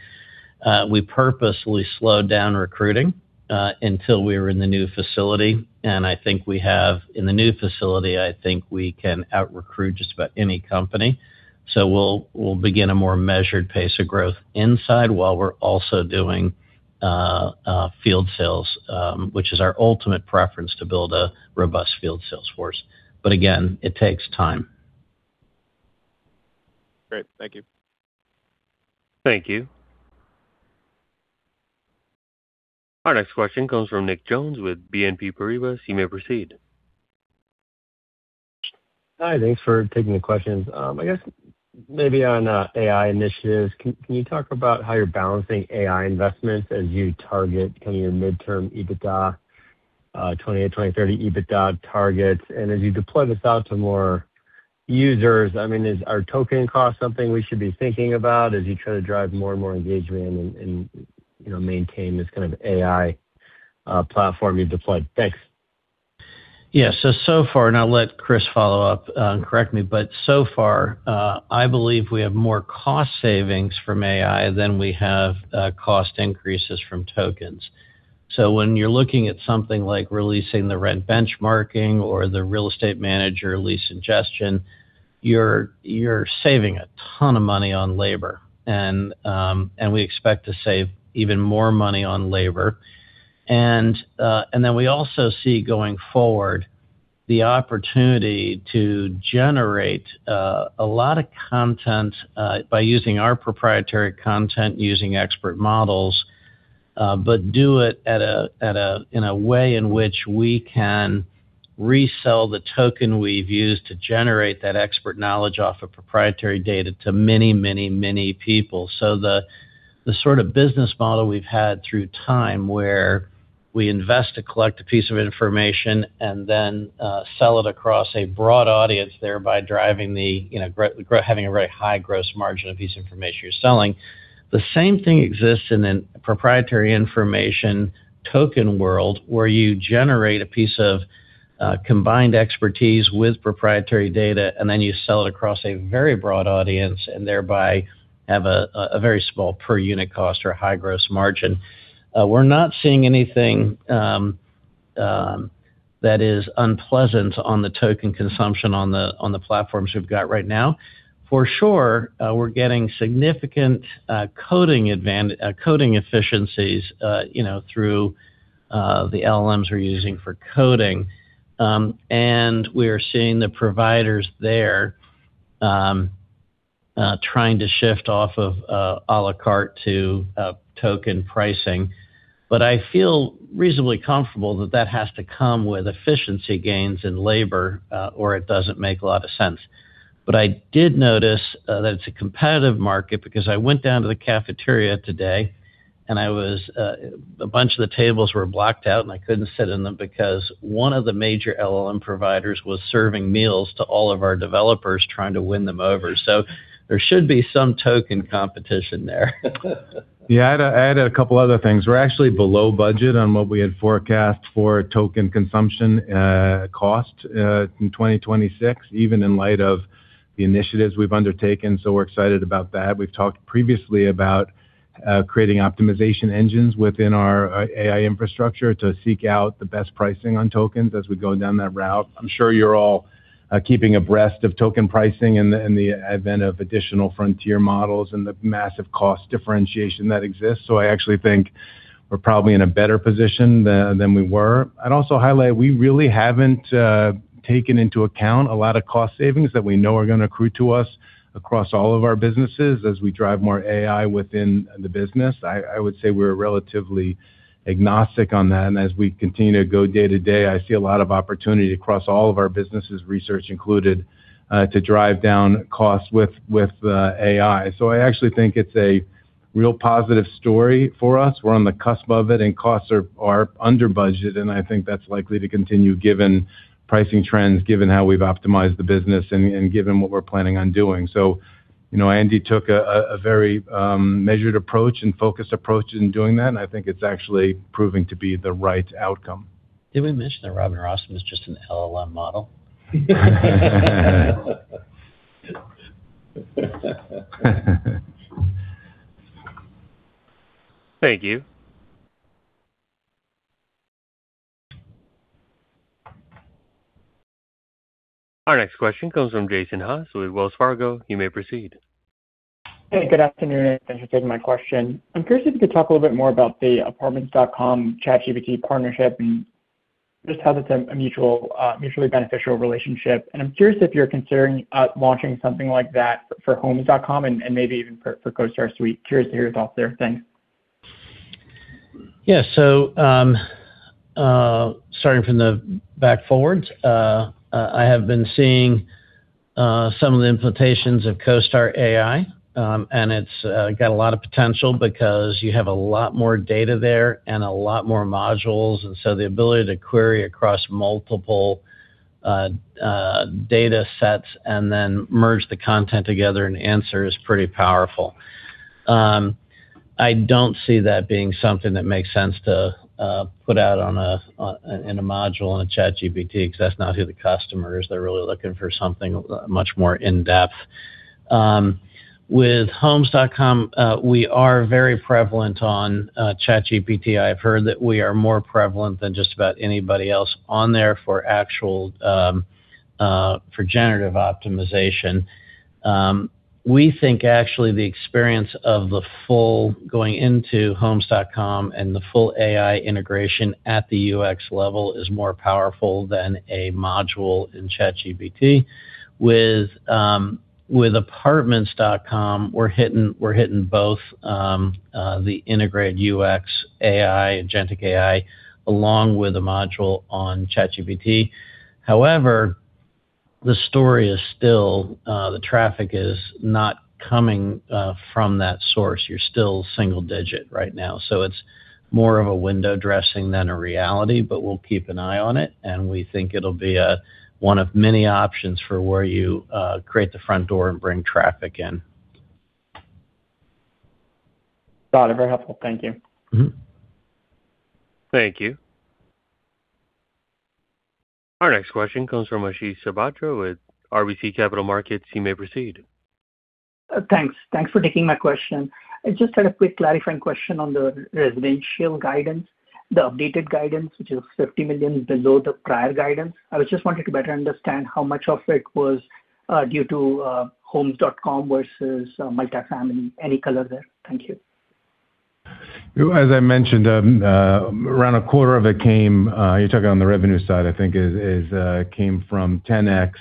We purposely slowed down recruiting until we were in the new facility. I think we have, in the new facility, I think we can out-recruit just about any company. We'll begin a more measured pace of growth inside while we're also doing field sales, which is our ultimate preference to build a robust field sales force. Again, it takes time. Great. Thank you. Thank you. Our next question comes from Nick Jones with BNP Paribas. You may proceed. Hi. Thanks for taking the questions. On AI initiatives, can you talk about how you're balancing AI investments as you target your midterm EBITDA, 2028-2030 EBITDA targets? As you deploy this out to more users, is our token cost something we should be thinking about as you try to drive more and more engagement and maintain this AI platform you've deployed? Thanks. Yeah. I'll let Chris follow up and correct me. So far, I believe we have more cost savings from AI than we have cost increases from tokens. When you're looking at something like releasing the rent benchmarking or the real estate manager lease ingestion, you're saving a ton of money on labor, and we expect to save even more money on labor. We also see going forward the opportunity to generate a lot of content by using our proprietary content, using expert models, but do it in a way in which we can resell the token we've used to generate that expert knowledge off of proprietary data to many, many, many people. The sort of business model we've had through time where we invest to collect a piece of information and then sell it across a broad audience, thereby having a very high gross margin of piece of information you're selling. The same thing exists in an proprietary information token world where you generate a piece of combined expertise with proprietary data, and then you sell it across a very broad audience, and thereby have a very small per unit cost or high gross margin. We're not seeing anything that is unpleasant on the token consumption on the platforms we've got right now. For sure, we're getting significant coding efficiencies through the LLMs we're using for coding. We are seeing the providers there trying to shift off of a la carte to token pricing. I feel reasonably comfortable that that has to come with efficiency gains in labor, or it doesn't make a lot of sense. I did notice that it's a competitive market because I went down to the cafeteria today, and a bunch of the tables were blocked out and I couldn't sit in them because one of the major LLM providers was serving meals to all of our developers trying to win them over. There should be some token competition there. I had a couple other things. We're actually below budget on what we had forecast for token consumption cost in 2026, even in light of the initiatives we've undertaken, so we're excited about that. We've talked previously about creating optimization engines within our AI infrastructure to seek out the best pricing on tokens as we go down that route. I'm sure you're all keeping abreast of token pricing in the advent of additional frontier models and the massive cost differentiation that exists. I actually think we're probably in a better position than we were. I'd also highlight we really haven't taken into account a lot of cost savings that we know are going to accrue to us across all of our businesses as we drive more AI within the business. I would say we're relatively agnostic on that. As we continue to go day to day, I see a lot of opportunity across all of our businesses, research included, to drive down costs with AI. I actually think it's a real positive story for us. We're on the cusp of it, and costs are under budget, and I think that's likely to continue given pricing trends, given how we've optimized the business, and given what we're planning on doing. Andy took a very measured approach and focused approach in doing that, and I think it's actually proving to be the right outcome. Did we mention that Rob Rossmann was just an LLM model? Thank you. Our next question comes from Jason Haas with Wells Fargo. You may proceed. Hey, good afternoon. Thanks for taking my question. I'm curious if you could talk a little bit more about the Apartments.com-ChatGPT partnership and just how that's a mutually beneficial relationship? I'm curious if you're considering launching something like that for Homes.com and maybe even for CoStar Suite? Curious to hear your thoughts there. Thanks. Yeah. Starting from the back forwards, I have been seeing some of the implications of CoStar AI. It's got a lot of potential because you have a lot more data there and a lot more modules, the ability to query across multiple datasets and then merge the content together and answer is pretty powerful. I don't see that being something that makes sense to put out in a module in a ChatGPT because that's not who the customer is. They're really looking for something much more in-depth. With Homes.com, we are very prevalent on ChatGPT. I've heard that we are more prevalent than just about anybody else on there for generative optimization. We think actually the experience of the full going into Homes.com and the full AI integration at the UX level is more powerful than a module in ChatGPT. With Apartments.com, we're hitting both the integrated UX AI, agentic AI, along with a module on ChatGPT. However, the story is still the traffic is not coming from that source. You're still single-digit right now, so it's more of a window dressing than a reality, but we'll keep an eye on it, and we think it'll be one of many options for where you create the front door and bring traffic in. Got it. Very helpful. Thank you. Thank you. Our next question comes from Ashish Sabadra with RBC Capital Markets. You may proceed. Thanks for taking my question. I just had a quick clarifying question on the residential guidance, the updated guidance, which is $50 million below the prior guidance. I just wanted to better understand how much of it was due to Homes.com versus multifamily. Any color there? Thank you. As I mentioned, around a quarter of it came, you're talking on the revenue side, I think came from Ten-X,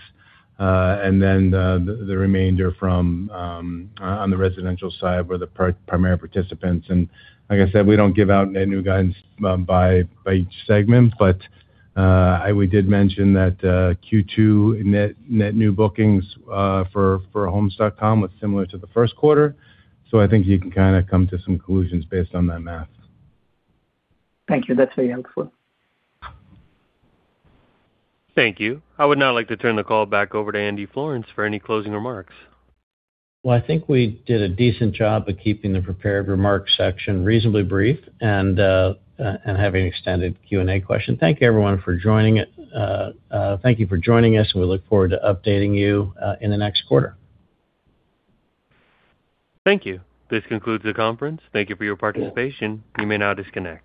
then the remainder on the residential side were the primary participants. Like I said, we don't give out net new guidance by each segment, but we did mention that Q2 net new bookings for Homes.com was similar to the first quarter. I think you can come to some conclusions based on that math. Thank you. That's very helpful. Thank you. I would now like to turn the call back over to Andy Florance for any closing remarks. Well, I think we did a decent job of keeping the prepared remarks section reasonably brief and having extended Q&A question. Thank you everyone for joining us, and we look forward to updating you in the next quarter. Thank you. This concludes the conference. Thank you for your participation. You may now disconnect.